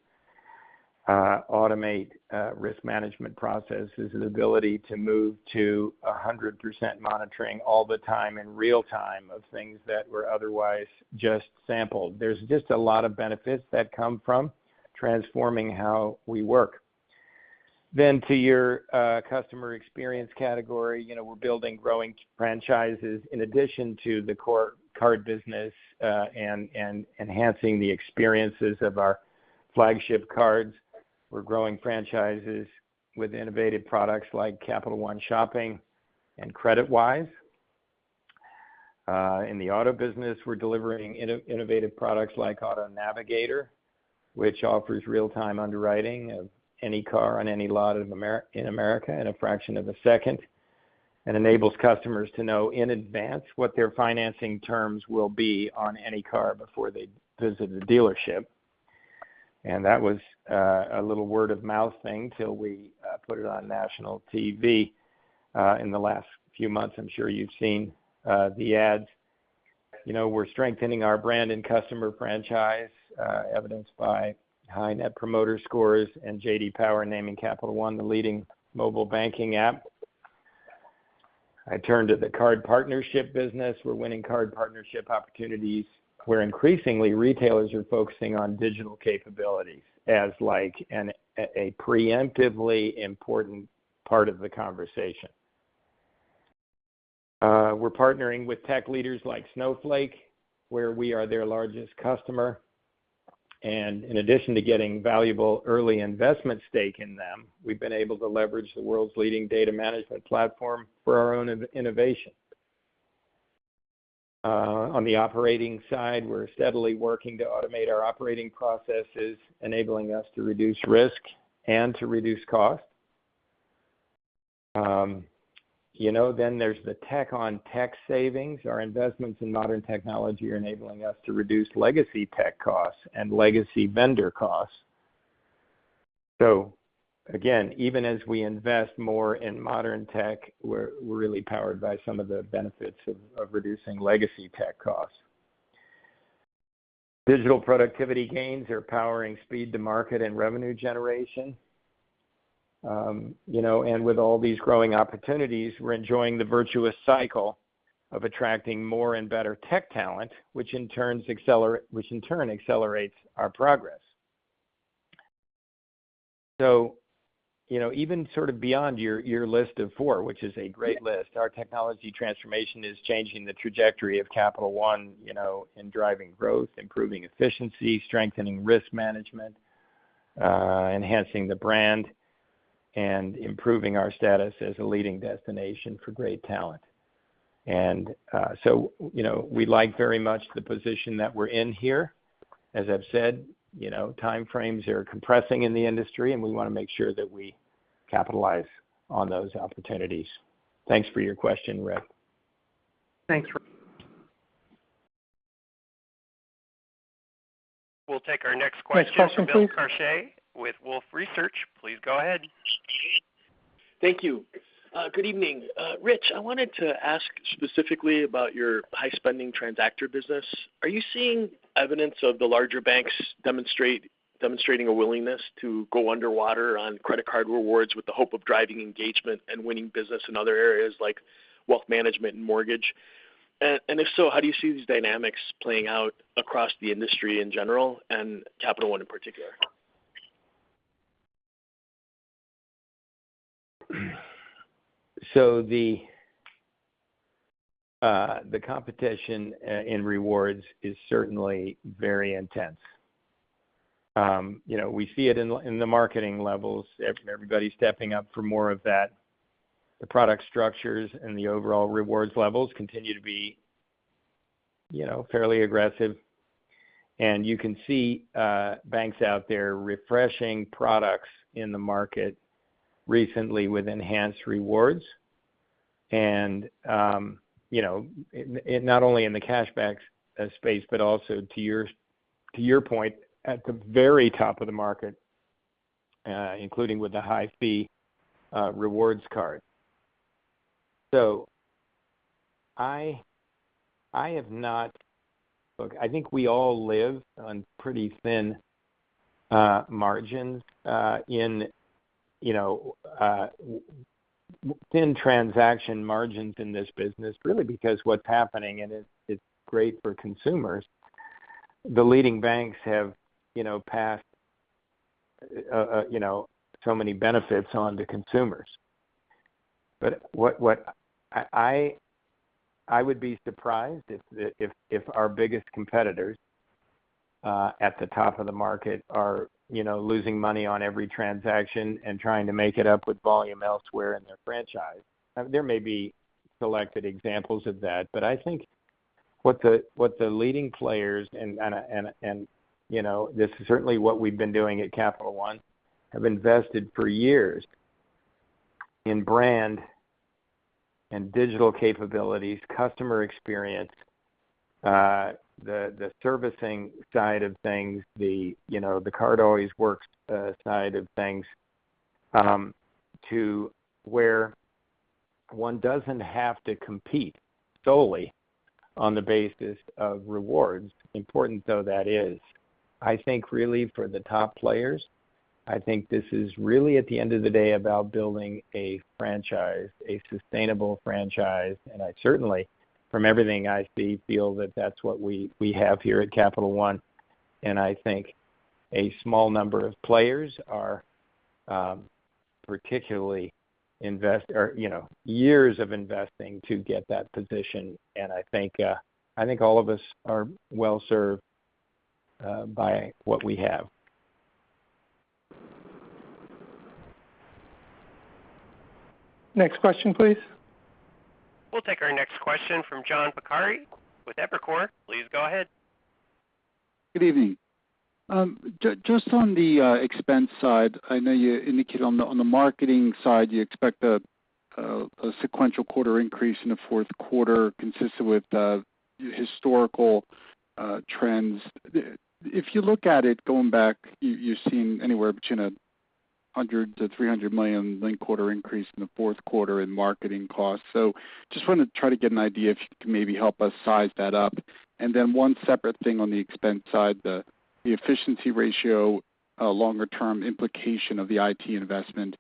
automate risk management processes, the ability to move to 100% monitoring all the time in real time of things that were otherwise just sampled. There's just a lot of benefits that come from transforming how we work. To your customer experience category, you know, we're building growing franchises in addition to the core card business, and enhancing the experiences of our flagship cards. We're growing franchises with innovative products like Capital One Shopping and CreditWise. In the auto business, we're delivering innovative products like Auto Navigator, which offers real-time underwriting of any car on any lot in America in a fraction of a second and enables customers to know in advance what their financing terms will be on any car before they visit the dealership. That was a little word of mouth thing till we put it on national TV in the last few months. I'm sure you've seen the ads. You know, we're strengthening our brand and customer franchise, evidenced by high Net Promoter Scores and J.D. Power naming Capital One the leading mobile banking app. I turn to the card partnership business. We're winning card partnership opportunities where increasingly retailers are focusing on digital capabilities as a preeminent important part of the conversation. We're partnering with tech leaders like Snowflake, where we are their largest customer. In addition to getting valuable early investment stake in them, we've been able to leverage the world's leading data management platform for our own innovation. On the operating side, we're steadily working to automate our operating processes, enabling us to reduce risk and to reduce costs. You know, there's the tech-on-tech savings. Our investments in modern technology are enabling us to reduce legacy tech costs and legacy vendor costs. Again, even as we invest more in modern tech, we're really powered by some of the benefits of reducing legacy tech costs. Digital productivity gains are powering speed to market and revenue generation. You know, with all these growing opportunities, we're enjoying the virtuous cycle of attracting more and better tech talent, which in turn accelerates our progress. You know, even sort of beyond your list of four, which is a great list, our technology transformation is changing the trajectory of Capital One, you know, in driving growth, improving efficiency, strengthening risk management, enhancing the brand, and improving our status as a leading destination for great talent. You know, we like very much the position that we're in here. As I've said, you know, time frames are compressing in the industry, and we wanna make sure that we capitalize on those opportunities. Thanks for your question, Rick. Thanks Rich. We'll take our next question from Bill Carcache with Wolfe Research. Please go ahead. Thank you. Good evening. Rich, I wanted to ask specifically about your high-spending transactor business. Are you seeing evidence of the larger banks demonstrating a willingness to go underwater on credit card rewards with the hope of driving engagement and winning business in other areas like wealth management and mortgage? If so, how do you see these dynamics playing out across the industry in general and Capital One in particular? The competition in rewards is certainly very intense. You know, we see it in the marketing levels. Everybody's stepping up for more of that. The product structures and the overall rewards levels continue to be, you know, fairly aggressive. You can see banks out there refreshing products in the market recently with enhanced rewards. You know, not only in the cash-back space, but also to your point, at the very top of the market, including with the high-fee rewards card. I have not. Look, I think we all live on pretty thin margins in thin transaction margins in this business, really because what's happening, it's great for consumers. The leading banks have, you know, passed, you know, so many benefits on to consumers. I would be surprised if our biggest competitors at the top of the market are, you know, losing money on every transaction and trying to make it up with volume elsewhere in their franchise. There may be selected examples of that, but I think what the leading players and, you know, this is certainly what we've been doing at Capital One, have invested for years in brand and digital capabilities, customer experience, the servicing side of things, the, you know, the card always works side of things, to where one doesn't have to compete solely on the basis of rewards, important though that is. I think really for the top players, I think this is really at the end of the day about building a franchise, a sustainable franchise. I certainly, from everything I see, feel that that's what we have here at Capital One. I think a small number of players are particularly, you know, years of investing to get that position. I think all of us are well served by what we have. Next question, please. We'll take our next question from John Pancari with Evercore. Please go ahead. Good evening. Just on the expense side, I know you indicated on the marketing side you expect a sequential quarter increase in the fourth quarter consistent with historical trends. If you look at it going back, you're seeing anywhere between $100 million-$300 million linked quarter increase in the fourth quarter in marketing costs. Just want to try to get an idea if you can maybe help us size that up. Then one separate thing on the expense side, the efficiency ratio, longer-term implication of the IT investment.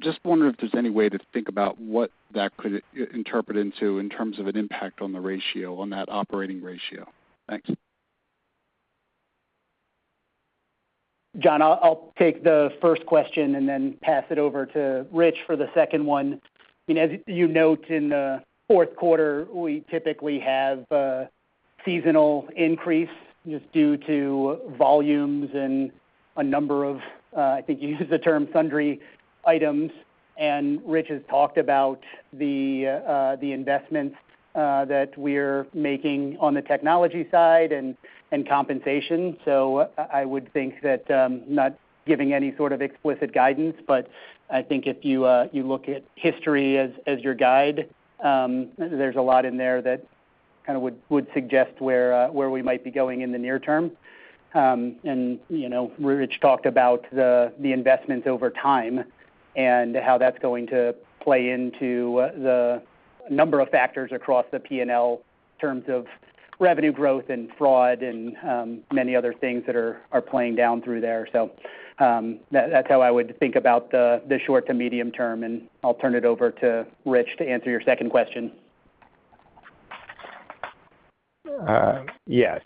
Just wondering if there's any way to think about what that could translate into in terms of an impact on the ratio, on that operating ratio. Thanks. John, I'll take the first question and then pass it over to Rich for the second one. You know, as you note in the fourth quarter, we typically have a seasonal increase just due to volumes and a number of, I think you used the term sundry items. Rich has talked about the investments that we're making on the technology side and compensation. I would think that, not giving any sort of explicit guidance, but I think if you look at history as your guide, there's a lot in there that kind of would suggest where we might be going in the near term. You know, Rich talked about the investments over time and how that's going to play into the number of factors across the P&L in terms of revenue growth and fraud and many other things that are playing down through there. That's how I would think about the short to medium term, and I'll turn it over to Rich to answer your second question. Yeah.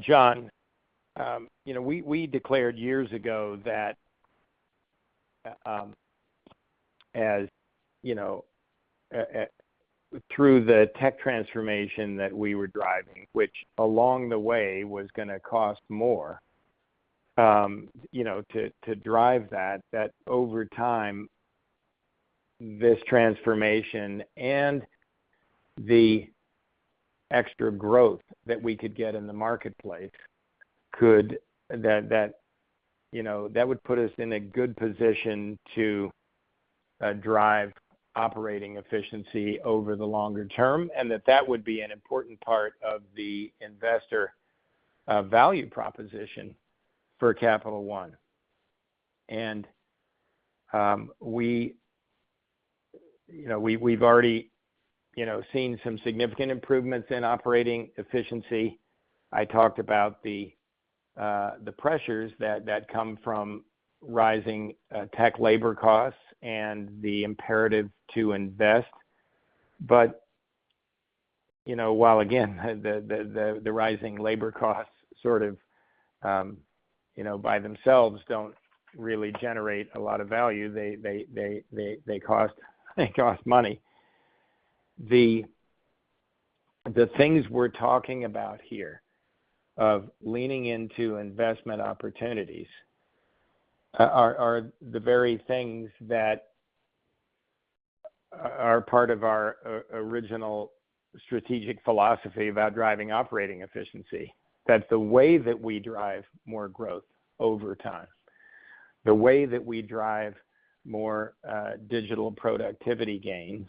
John, you know, we declared years ago that, as you know, through the tech transformation that we were driving, which along the way was gonna cost more, you know, to drive that, over time, this transformation and the extra growth that we could get in the marketplace that would put us in a good position to drive operating efficiency over the longer term, and that would be an important part of the investor value proposition for Capital One. We, you know, we've already, you know, seen some significant improvements in operating efficiency. I talked about the pressures that come from rising tech labor costs and the imperative to invest. You know, while again, the rising labor costs sort of, you know, by themselves don't really generate a lot of value, they cost money. The things we're talking about here of leaning into investment opportunities are the very things that are part of our original strategic philosophy about driving operating efficiency. That's the way that we drive more growth over time. The way that we drive more digital productivity gains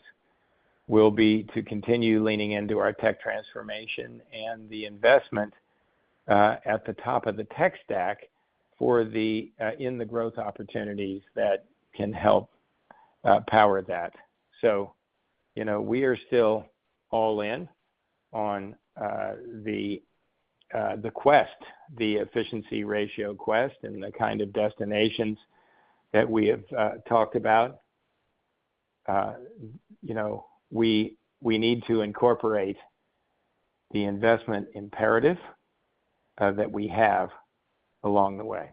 will be to continue leaning into our tech transformation and the investment at the top of the tech stack in the growth opportunities that can help power that. You know, we are still all in on the efficiency ratio quest and the kind of destinations that we have talked about. You know, we need to incorporate the investment imperative that we have along the way.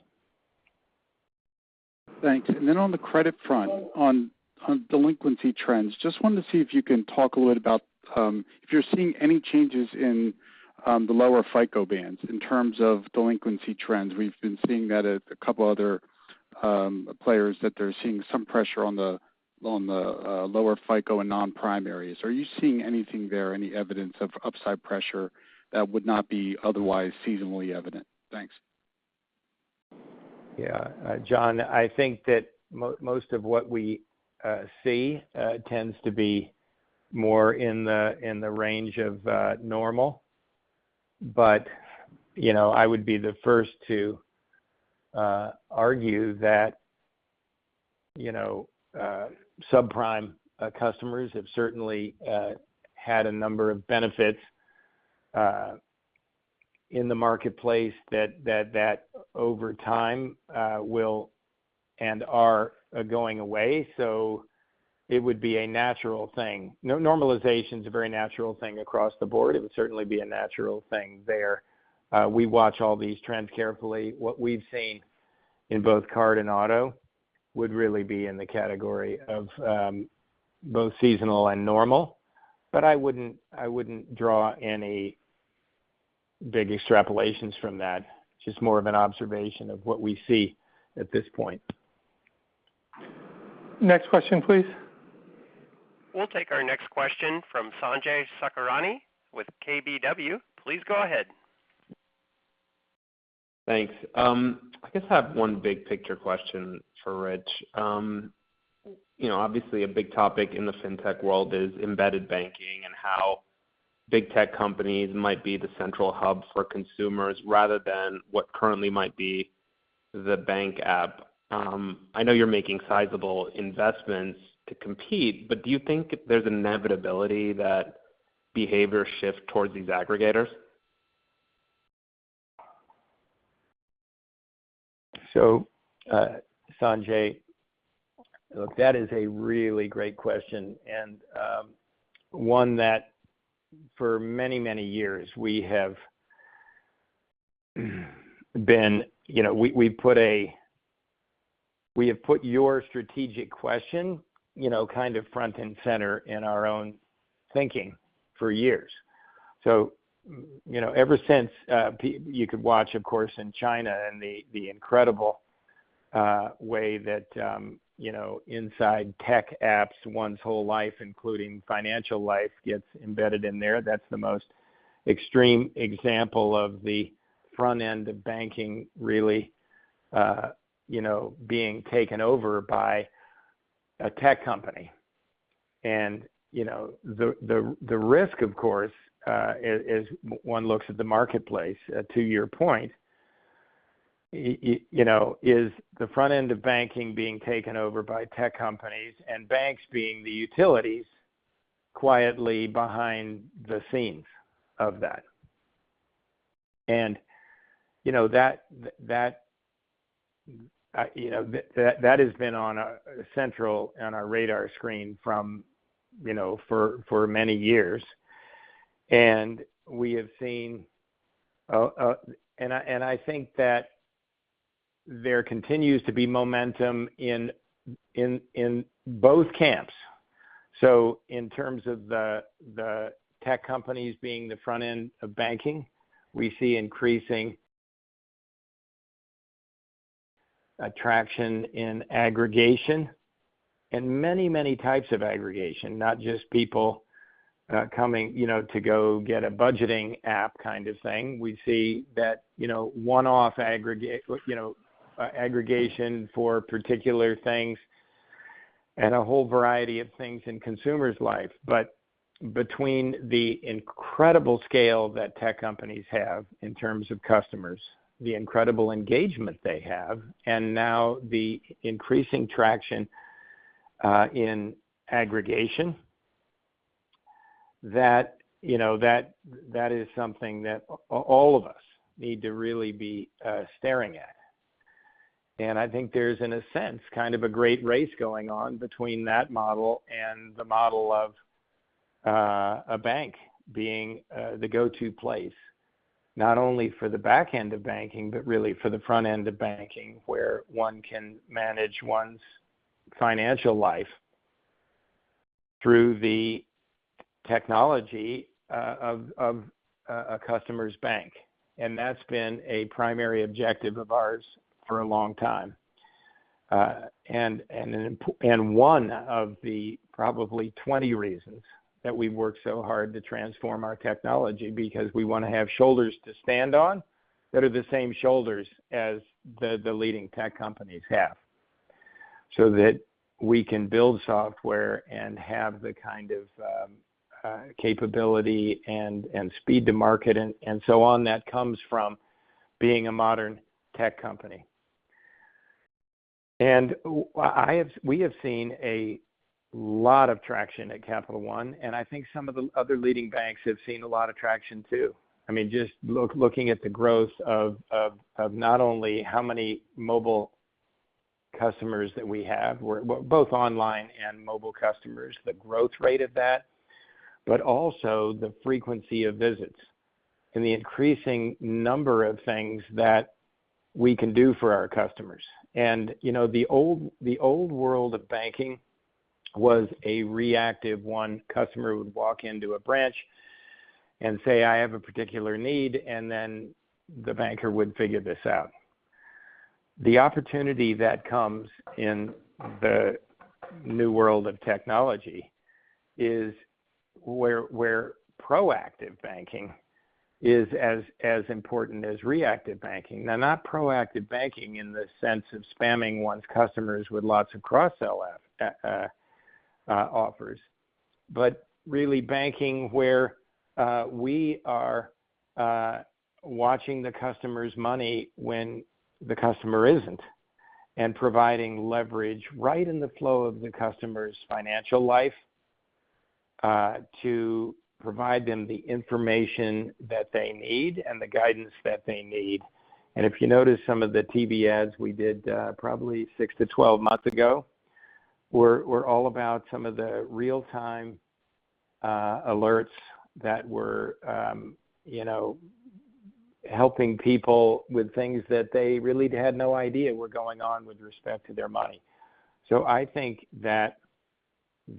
Thanks. On the credit front, on delinquency trends. Just wanted to see if you can talk a little bit about if you're seeing any changes in the lower FICO bands in terms of delinquency trends. We've been seeing that at a couple other players that they're seeing some pressure on the lower FICO and non-prime areas. Are you seeing anything there, any evidence of upside pressure that would not be otherwise seasonally evident? Thanks. Yeah. John, I think that most of what we see tends to be more in the range of normal. You know, I would be the first to argue that, you know, subprime customers have certainly had a number of benefits in the marketplace that over time will and are going away. It would be a natural thing. Normalization is a very natural thing across the board. It would certainly be a natural thing there. We watch all these trends carefully. What we've seen in both card and auto would really be in the category of both seasonal and normal. I wouldn't draw any big extrapolations from that. Just more of an observation of what we see at this point. Next question, please. We'll take our next question from Sanjay Sakhrani with KBW. Please go ahead. Thanks. I guess I have one big picture question for Rich. You know, obviously a big topic in the fintech world is embedded banking and how big tech companies might be the central hub for consumers rather than what currently might be the bank app. I know you're making sizable investments to compete, but do you think there's an inevitability that behaviors shift towards these aggregators? Sanjay, look, that is a really great question, and one that for many, many years we have put your strategic question, you know, kind of front and center in our own thinking for years. You know, ever since you could watch, of course, in China and the incredible way that you know, inside tech apps, one's whole life, including financial life, gets embedded in there. That's the most extreme example of the front end of banking, really, you know, being taken over by a tech company. You know, the risk, of course, as one looks at the marketplace, to your point, you know, is the front end of banking being taken over by tech companies and banks being the utilities quietly behind the scenes of that. You know, that has been central on our radar screen for many years. We have seen. I think that there continues to be momentum in both camps. In terms of the tech companies being the front end of banking, we see increasing attraction in aggregation and many types of aggregation, not just people coming, you know, to go get a budgeting app kind of thing. We see that, you know, one-off aggregation for particular things and a whole variety of things in consumers' life. Between the incredible scale that tech companies have in terms of customers, the incredible engagement they have, and now the increasing traction in aggregation, that you know is something that all of us need to really be staring at. I think there's, in a sense, kind of a great race going on between that model and the model of a bank being the go-to place, not only for the back end of banking, but really for the front end of banking, where one can manage one's financial life through the technology of a customer's bank. That's been a primary objective of ours for a long time. One of the probably 20 reasons that we work so hard to transform our technology is because we want to have shoulders to stand on that are the same shoulders as the leading tech companies have, so that we can build software and have the kind of capability and speed to market and so on that comes from being a modern tech company. We have seen a lot of traction at Capital One, and I think some of the other leading banks have seen a lot of traction too. I mean, just looking at the growth of not only how many mobile customers that we have, both online and mobile customers, the growth rate of that, but also the frequency of visits and the increasing number of things that we can do for our customers. You know, the old world of banking was a reactive one. A customer would walk into a branch and say, "I have a particular need," and then the banker would figure this out. The opportunity that comes in the new world of technology is where proactive banking is as important as reactive banking. Now, not proactive banking in the sense of spamming one's customers with lots of cross sell offers, but really banking where we are watching the customer's money when the customer isn't, and providing leverage right in the flow of the customer's financial life to provide them the information that they need and the guidance that they need. If you notice some of the TV ads we did, probably 6-12 months ago, were all about some of the real-time alerts that were, you know, helping people with things that they really had no idea were going on with respect to their money. I think that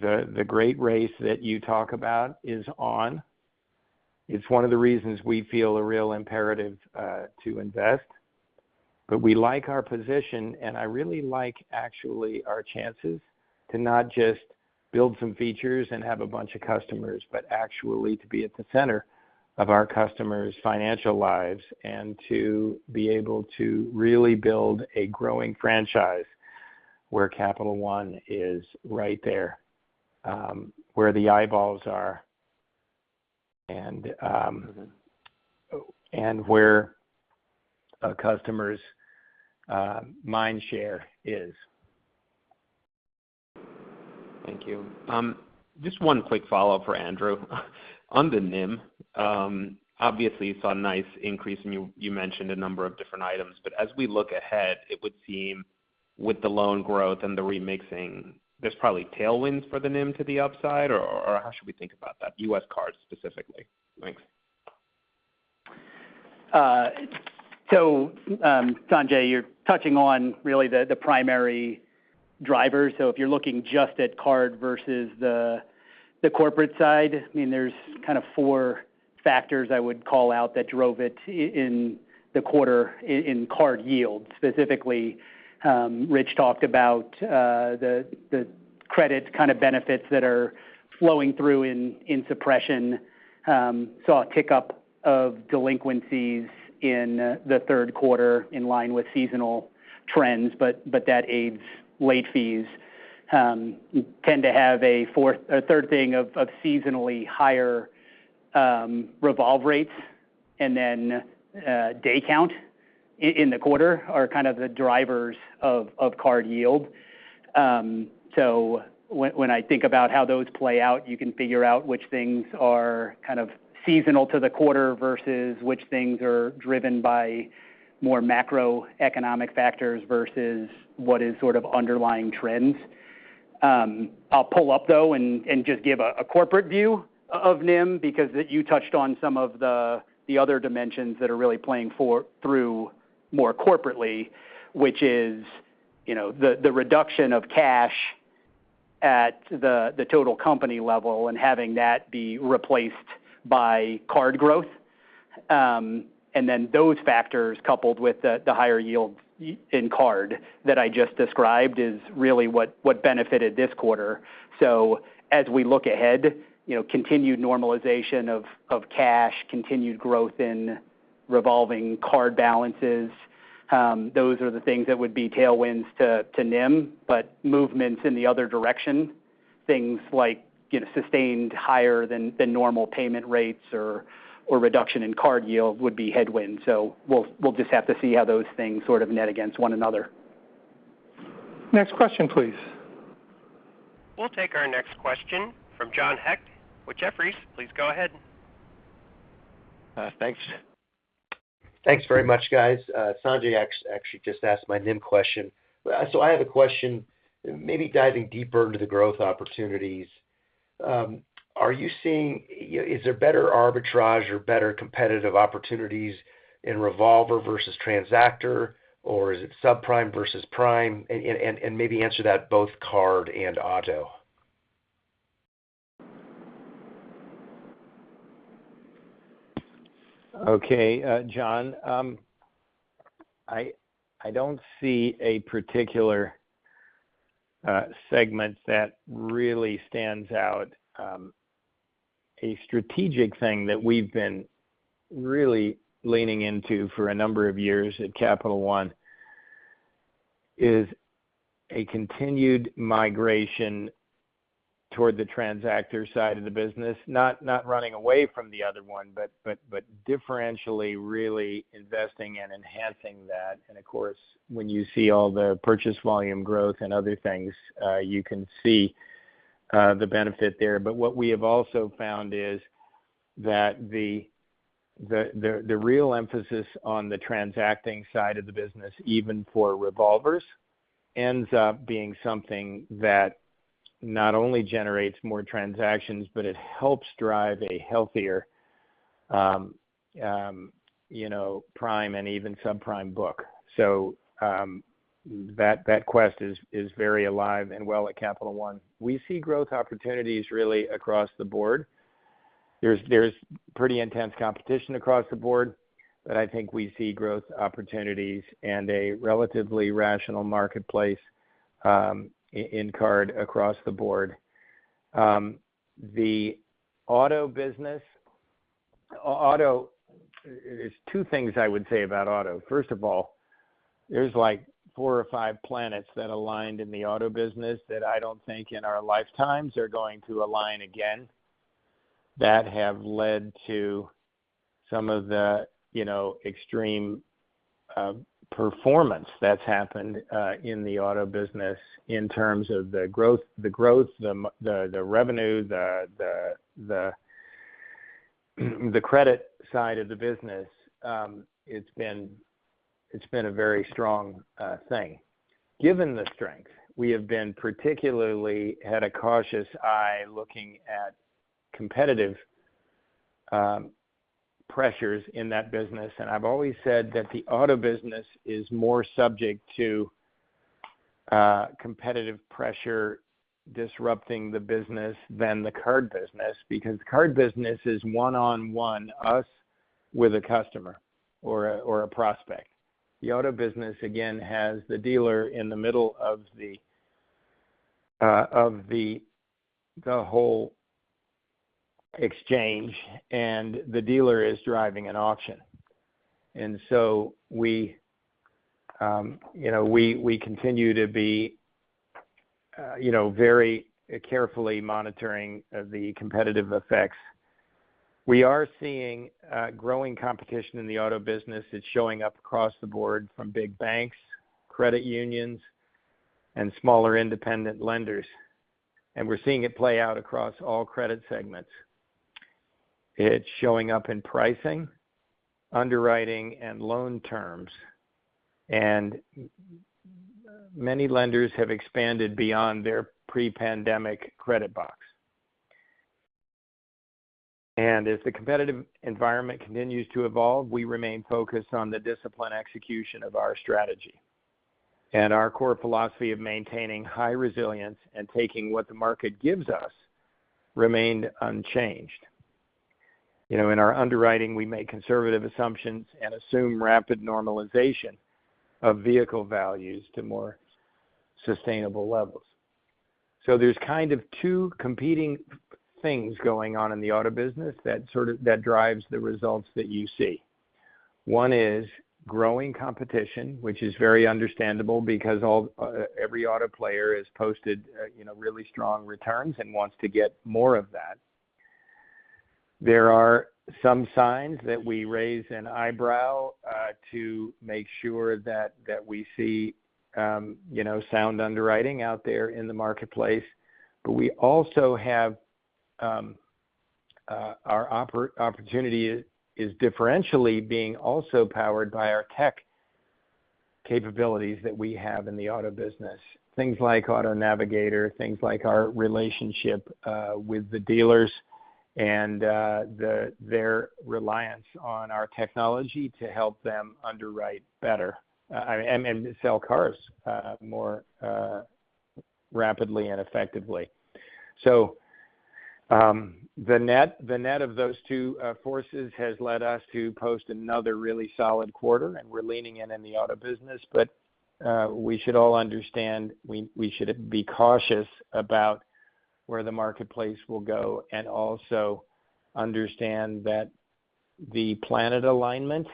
the great race that you talk about is on. It's one of the reasons we feel a real imperative to invest. But we like our position, and I really like actually our chances to not just build some features and have a bunch of customers, but actually to be at the center of our customers' financial lives and to be able to really build a growing franchise where Capital One is right there, where the eyeballs are and where a customer's mind share is. Thank you. Just one quick follow-up for Andrew. On the NIM, obviously you saw a nice increase, and you mentioned a number of different items. As we look ahead, it would seem with the loan growth and the remixing, there's probably tailwinds for the NIM to the upside, or how should we think about that, U.S. cards specifically? Thanks. Sanjay, you're touching on really the primary drivers. If you're looking just at Card versus the corporate side, I mean, there's kind of 4 factors I would call out that drove it in the quarter in Card yield. Specifically, Rich talked about the credit kind of benefits that are flowing through in provision. We saw a tick-up of delinquencies in the third quarter in line with seasonal trends, but that aids late fees. We tend to have a third thing of seasonally higher revolve rates, and then day count in the quarter are kind of the drivers of Card yield. When I think about how those play out, you can figure out which things are kind of seasonal to the quarter versus which things are driven by more macroeconomic factors versus what is sort of underlying trends. I'll pull up though and just give a corporate view of NIM because it, you touched on some of the other dimensions that are really playing through more corporately, which is, you know, the reduction of cash at the total company level and having that be replaced by card growth. Then those factors coupled with the higher yield in card that I just described is really what benefited this quarter. As we look ahead, you know, continued normalization of cash, continued growth in revolving card balances, those are the things that would be tailwinds to NIM. Movements in the other direction, things like, you know, sustained higher than normal payment rates or reduction in card yield would be headwinds. We'll just have to see how those things sort of net against one another. Next question, please. We'll take our next question from John Hecht with Jefferies. Please go ahead. Thanks. Thanks very much, guys. Sanjay actually just asked my NIM question. So I have a question maybe diving deeper into the growth opportunities. Are you seeing better arbitrage or better competitive opportunities in revolver versus transactor, or is it subprime versus prime? Maybe answer that both card and auto. Okay. John, I don't see a particular segment that really stands out. A strategic thing that we've been really leaning into for a number of years at Capital One is a continued migration toward the transactor side of the business, not running away from the other one, but differentially really investing and enhancing that. Of course, when you see all the purchase volume growth and other things, you can see the benefit there. What we have also found is that the real emphasis on the transacting side of the business, even for revolvers, ends up being something that not only generates more transactions, but it helps drive a healthier, you know, prime and even subprime book. That quest is very alive and well at Capital One. We see growth opportunities really across the board. There's pretty intense competition across the board, but I think we see growth opportunities and a relatively rational marketplace in card across the board. The auto business. There's two things I would say about auto. First of all, there's like four or five planets that aligned in the auto business that I don't think in our lifetimes are going to align again, that have led to some of the, you know, extreme performance that's happened in the auto business in terms of the growth, the credit side of the business. It's been a very strong thing. Given the strength, we have particularly had a cautious eye looking at competitive pressures in that business. I've always said that the auto business is more subject to competitive pressure disrupting the business than the card business. Because card business is one-on-one, us with a customer or a prospect. The auto business, again, has the dealer in the middle of the whole exchange, and the dealer is driving an auction. We continue to be, you know, very carefully monitoring the competitive effects. We are seeing growing competition in the auto business. It's showing up across the board from big banks, credit unions, and smaller independent lenders, and we're seeing it play out across all credit segments. It's showing up in pricing, underwriting, and loan terms. Many lenders have expanded beyond their pre-pandemic credit box. As the competitive environment continues to evolve, we remain focused on the disciplined execution of our strategy. Our core philosophy of maintaining high resilience and taking what the market gives us remained unchanged. You know, in our underwriting, we make conservative assumptions and assume rapid normalization of vehicle values to more sustainable levels. There's kind of two competing things going on in the auto business that drives the results that you see. One is growing competition, which is very understandable because all every auto player has posted, you know, really strong returns and wants to get more of that. There are some signs that we raise an eyebrow to make sure that we see, you know, sound underwriting out there in the marketplace. We also have our opportunity is differentially being also powered by our tech capabilities that we have in the auto business. Things like Auto Navigator, things like our relationship with the dealers and their reliance on our technology to help them underwrite better and to sell cars more rapidly and effectively. The net of those two forces has led us to post another really solid quarter, and we're leaning in in the auto business. We should all understand we should be cautious about where the marketplace will go and also understand that the planetary alignment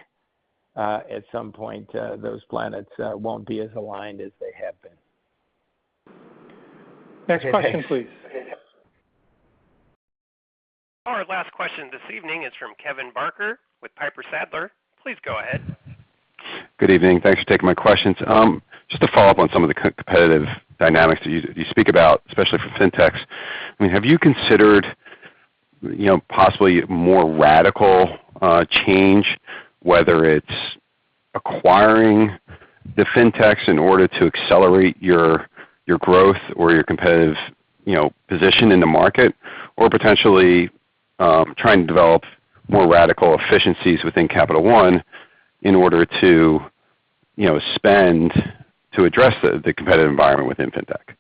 at some point those planets won't be as aligned as they have been. Next question, please. Our last question this evening is from Kevin Barker with Piper Sandler. Please go ahead. Good evening. Thanks for taking my questions. Just to follow up on some of the co-competitive dynamics that you speak about, especially for Fintechs. I mean, have you considered, you know, possibly more radical change, whether it's acquiring the Fintechs in order to accelerate your growth or your competitive, you know, position in the market? Or potentially trying to develop more radical efficiencies within Capital One in order to, you know, spend to address the competitive environment within Fintech?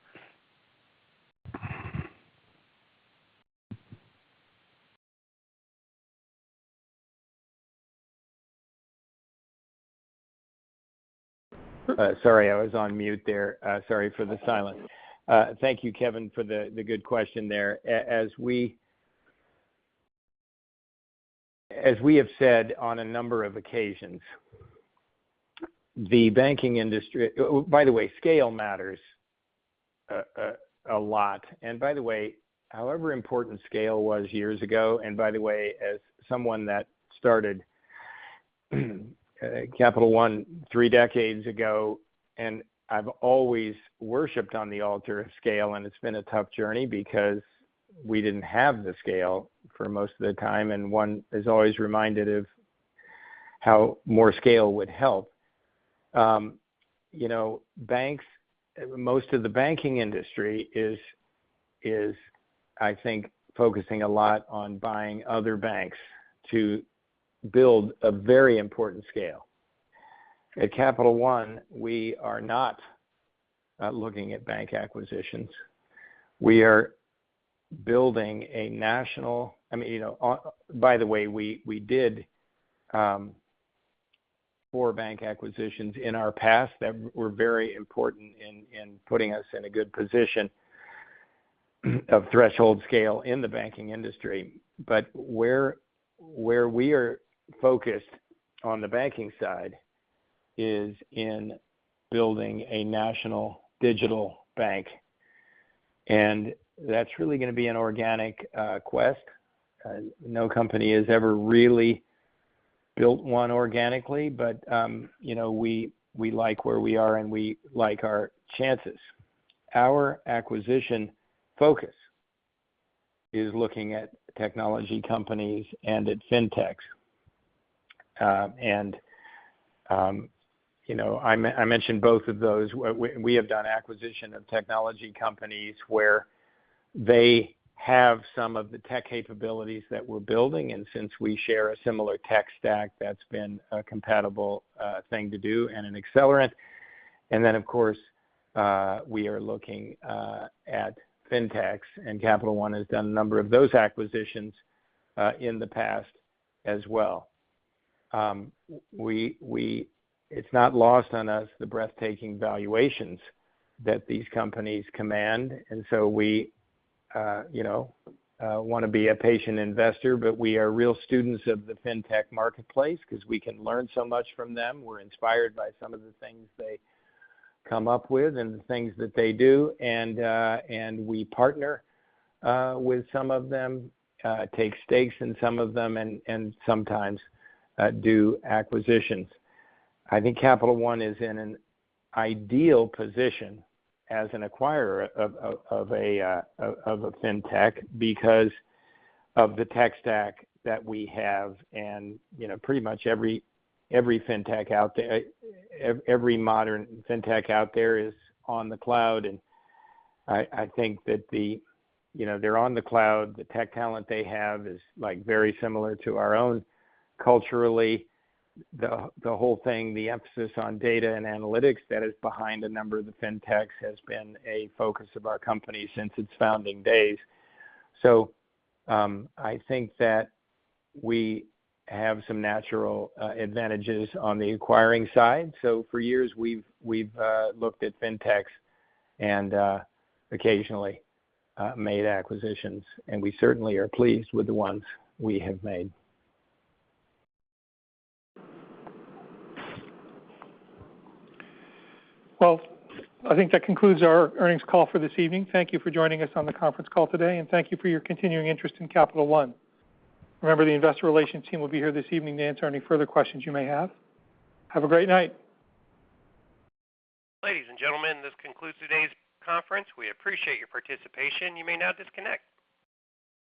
Sorry, I was on mute there. Sorry for the silence. Thank you, Kevin, for the good question there. As we have said on a number of occasions, the banking industry. By the way, scale matters a lot. By the way, however important scale was years ago, by the way, as someone that started Capital One three decades ago, I've always worshiped on the altar of scale, and it's been a tough journey because we didn't have the scale for most of the time. One is always reminded of how more scale would help. You know, banks, most of the banking industry I think is focusing a lot on buying other banks to build a very important scale. At Capital One, we are not looking at bank acquisitions. We are building a national. I mean, you know, by the way, we did 4 bank acquisitions in our past that were very important in putting us in a good position of threshold scale in the banking industry. Where we are focused on the banking side is in building a national digital bank. That's really gonna be an organic quest. No company has ever really built one organically. You know, we like where we are, and we like our chances. Our acquisition focus is looking at technology companies and at fintechs. You know, I mentioned both of those. We have done acquisitions of technology companies where they have some of the tech capabilities that we're building. Since we share a similar tech stack, that's been a compatible thing to do and an accelerant. Of course, we are looking at fintechs. Capital One has done a number of those acquisitions in the past as well. It's not lost on us, the breathtaking valuations that these companies command. We you know wanna be a patient investor, but we are real students of the fintech marketplace because we can learn so much from them. We're inspired by some of the things they come up with and the things that they do. We partner with some of them, take stakes in some of them and sometimes do acquisitions. I think Capital One is in an ideal position as an acquirer of a fintech because of the tech stack that we have. You know, pretty much every modern fintech out there is on the cloud. I think that, you know, they're on the cloud. The tech talent they have is, like, very similar to our own culturally. The whole thing, the emphasis on data and analytics that is behind a number of the fintechs has been a focus of our company since its founding days. I think that we have some natural advantages on the acquiring side. For years, we've looked at fintechs and occasionally made acquisitions. We certainly are pleased with the ones we have made. Well, I think that concludes our earnings call for this evening. Thank you for joining us on the conference call today, and thank you for your continuing interest in Capital One. Remember, the investor relations team will be here this evening to answer any further questions you may have. Have a great night. Ladies and gentlemen, this concludes today's conference. We appreciate your participation. You may now disconnect.